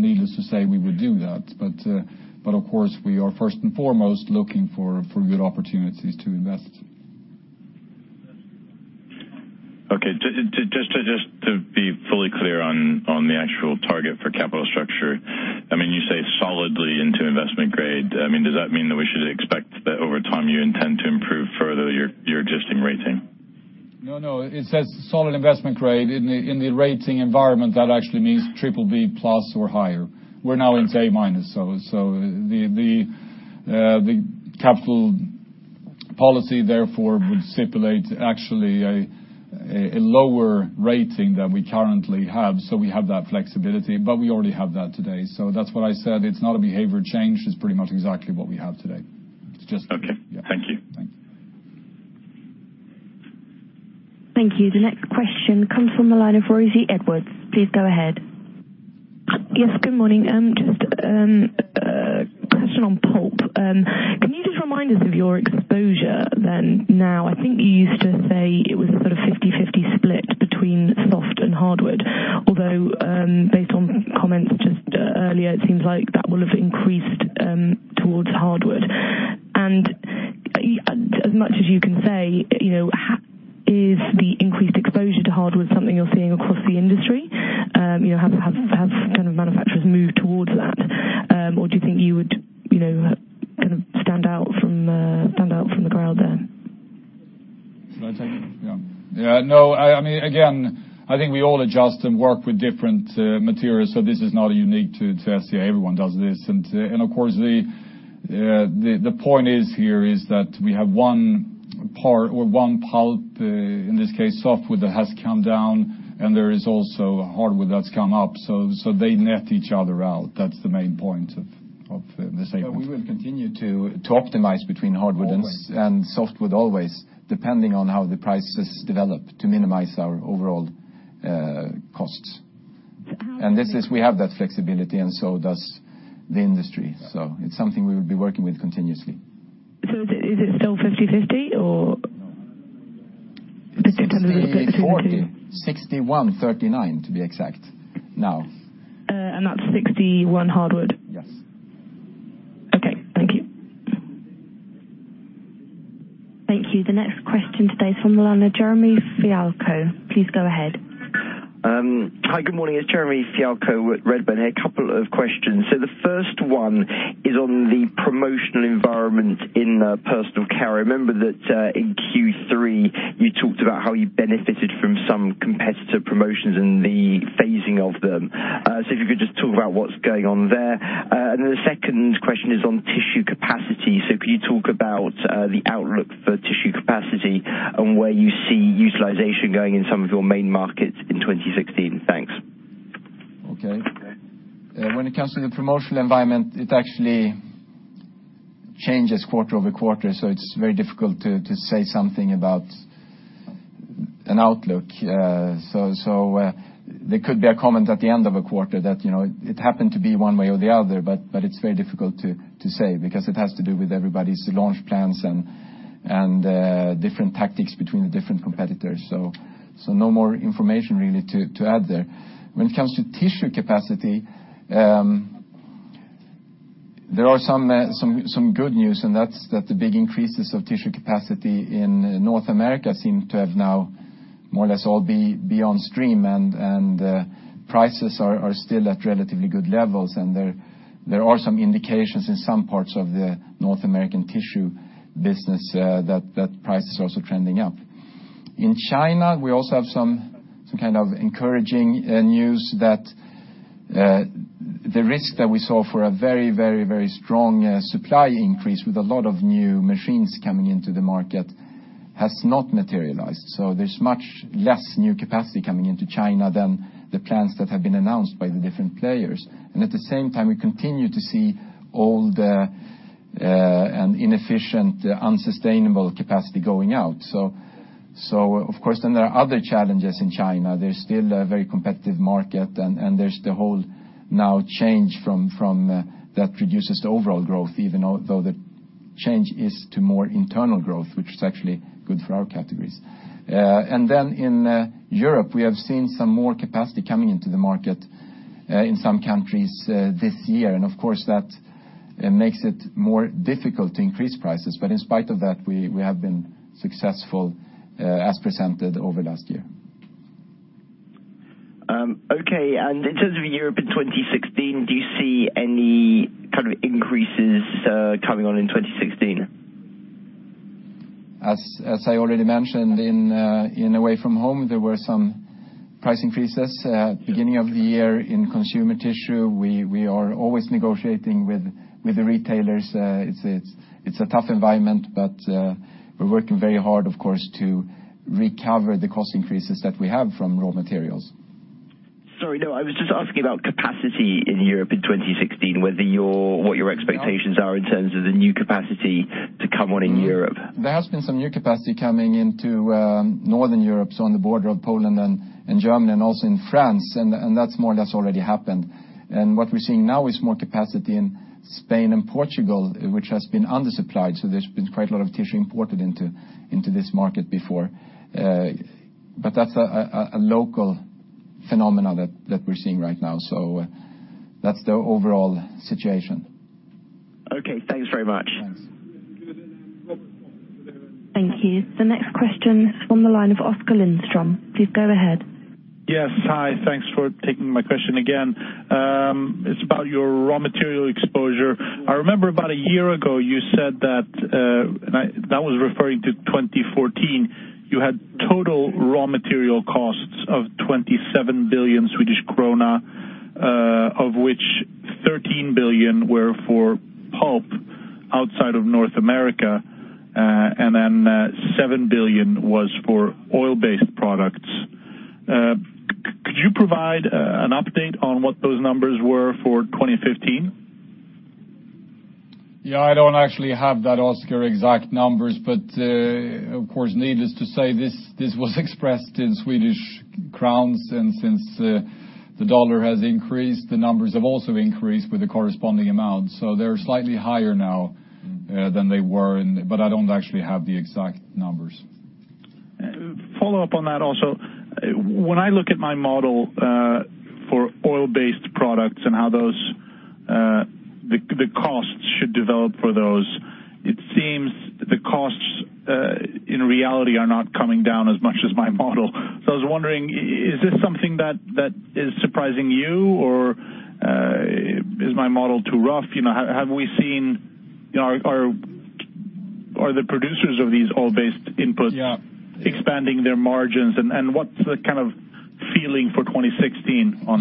needless to say, we would do that. Of course, we are first and foremost looking for good opportunities to invest. Okay. Just to be fully clear on the actual target for capital structure, you say solidly into investment grade. Does that mean that we should expect that over time you intend to improve further your existing rating? No. It says solid investment grade. In the rating environment, that actually means BBB+ or higher. We're now into A-. The capital policy therefore would stipulate actually a lower rating than we currently have. We have that flexibility, but we already have that today. That's what I said. It's not a behavior change. It's pretty much exactly what we have today. Okay. Thank you. Thanks. Thank you. The next question comes from the line of Rosie Edwards. Please go ahead. Yes, good morning. Just a question on pulp. Can you just remind us of your exposure then now? I think you used to say it was a sort of 50/50 split between soft and hardwood. Based on comments just earlier, it seems like that will have increased towards hardwood. As much as you can say, is the increased exposure to hardwood something you're seeing across the industry? Have manufacturers moved towards that? Do you think you would stand out from the crowd there? Should I take it? Yeah. No. Again, I think we all adjust and work with different materials, so this is not unique to SCA. Everyone does this. Of course, the point here is that we have one pulp, in this case, softwood, that has come down, and there is also hardwood that's come up. They net each other out. That's the main point of the statement. We will continue to optimize between hardwood and- Always softwood always, depending on how the prices develop to minimize our overall costs. But how- We have that flexibility, and so does the industry. It's something we'll be working with continuously. Is it still 50/50, or? No. Just trying to get- 60/40. 61/39, to be exact now. That's 61 hardwood? Yes. Okay. Thank you. Thank you. The next question today's from the line of Jeremy Fialko. Please go ahead. Hi, good morning. It's Jeremy Fialko with Redburn. A couple of questions. The first one is on the promotional environment in personal care. I remember that in Q3, you talked about how you benefited from some competitor promotions and the phasing of them. If you could just talk about what's going on there. The second question is on tissue capacity. Could you talk about the outlook for tissue capacity and where you see utilization going in some of your main markets in 2016? Thanks. Okay. When it comes to the promotional environment, it actually changes quarter over quarter. It's very difficult to say something about an outlook. There could be a comment at the end of a quarter that it happened to be one way or the other, but it's very difficult to say because it has to do with everybody's launch plans and different tactics between the different competitors. No more information really to add there. When it comes to tissue capacity, there are some good news, and that's that the big increases of tissue capacity in North America seem to have now more or less all be on stream and prices are still at relatively good levels, and there are some indications in some parts of the North American tissue business that price is also trending up. In China, we also have some kind of encouraging news that the risk that we saw for a very strong supply increase with a lot of new machines coming into the market has not materialized. There's much less new capacity coming into China than the plans that have been announced by the different players. At the same time, we continue to see all the inefficient, unsustainable capacity going out. Of course, then there are other challenges in China. There's still a very competitive market, and there's the whole now change from that reduces the overall growth, even though the change is to more internal growth, which is actually good for our categories. In Europe, we have seen some more capacity coming into the market in some countries this year. Of course, that makes it more difficult to increase prices. In spite of that, we have been successful, as presented over last year. Okay, in terms of Europe in 2016, do you see any kind of increases coming on in 2016? As I already mentioned, in away-from-home, there were some price increases at beginning of the year. In consumer tissue, we are always negotiating with the retailers. It's a tough environment, but we're working very hard, of course, to recover the cost increases that we have from raw materials. Sorry. No, I was just asking about capacity in Europe in 2016, what your expectations are in terms of the new capacity to come on in Europe. There has been some new capacity coming into Northern Europe, on the border of Poland and Germany and also in France, that's more, that's already happened. What we're seeing now is more capacity in Spain and Portugal, which has been undersupplied. There's been quite a lot of tissue imported into this market before. That's a local phenomenon that we're seeing right now. That's the overall situation. Okay. Thanks very much. Yes. Thank you. The next question is from the line of Oskar Lindström. Please go ahead. Yes. Hi. Thanks for taking my question again. It's about your raw material exposure. I remember about a year ago you said that, and that was referring to 2014, you had total raw material costs of 27 billion Swedish krona, of which 13 billion were for pulp outside of North America. Then 7 billion was for oil-based products. Could you provide an update on what those numbers were for 2015? Yeah, I don't actually have that, Oskar, exact numbers. Of course, needless to say, this was expressed in Swedish crowns. Since the dollar has increased, the numbers have also increased with a corresponding amount. They're slightly higher now than they were. I don't actually have the exact numbers. Follow-up on that also. When I look at my model for oil-based products and how the costs should develop for those, it seems the costs, in reality, are not coming down as much as my model. I was wondering, is this something that is surprising you, or is my model too rough? Are the producers of these oil-based inputs- Yeah expanding their margins? What's the kind of feeling for 2016 on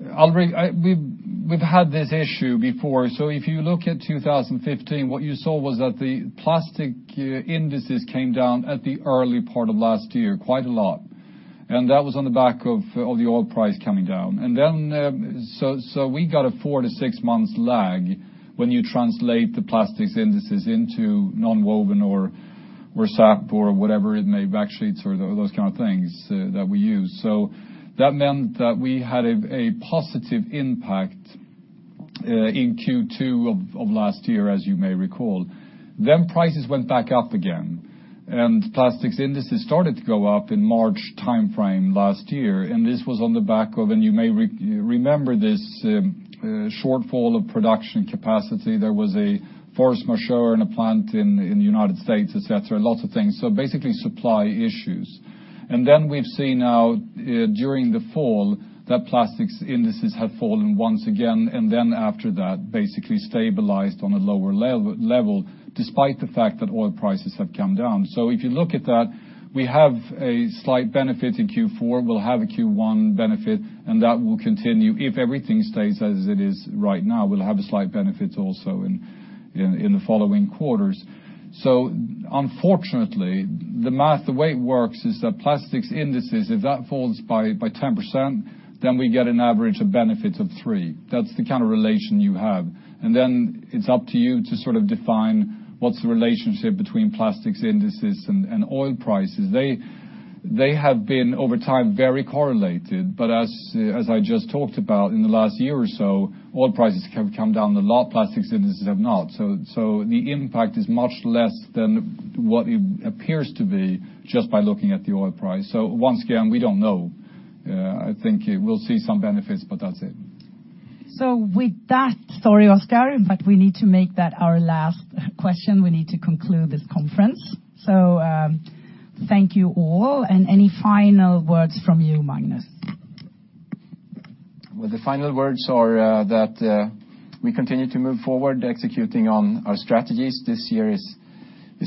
that? We've had this issue before. If you look at 2015, what you saw was that the plastic indices came down at the early part of last year, quite a lot, That was on the back of the oil price coming down. We got a four to six months lag when you translate the plastics indices into nonwoven or SAP or whatever it may, backsheets or those kind of things that we use. That meant that we had a positive impact in Q2 of last year, as you may recall. Prices went back up again, Plastics indices started to go up in March timeframe last year. This was on the back of, You may remember this shortfall of production capacity. There was a force majeure in a plant in the U.S., et cetera, lots of things. Basically, supply issues. We've seen now during the fall that plastics indices have fallen once again, After that, basically stabilized on a lower level, despite the fact that oil prices have come down. If you look at that, we have a slight benefit in Q4, we'll have a Q1 benefit, That will continue. If everything stays as it is right now, we'll have a slight benefit also in the following quarters. Unfortunately, the math, the way it works is that plastics indices, if that falls by 10%, We get an average benefit of 3%. That's the kind of relation you have. It's up to you to sort of define what's the relationship between plastics indices and oil prices. They have been, over time, very correlated, as I just talked about in the last year or so, oil prices have come down a lot, plastics indices have not. The impact is much less than what it appears to be just by looking at the oil price. Once again, we don't know. I think we'll see some benefits, but that's it. With that, sorry, Oskar, we need to make that our last question. We need to conclude this conference. Thank you all. Any final words from you, Magnus? Well, the final words are that we continue to move forward executing on our strategies. This year is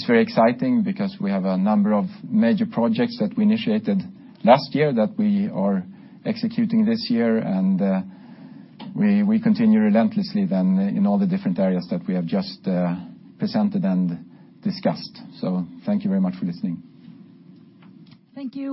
very exciting because we have a number of major projects that we initiated last year that we are executing this year, we continue relentlessly then in all the different areas that we have just presented and discussed. Thank you very much for listening. Thank you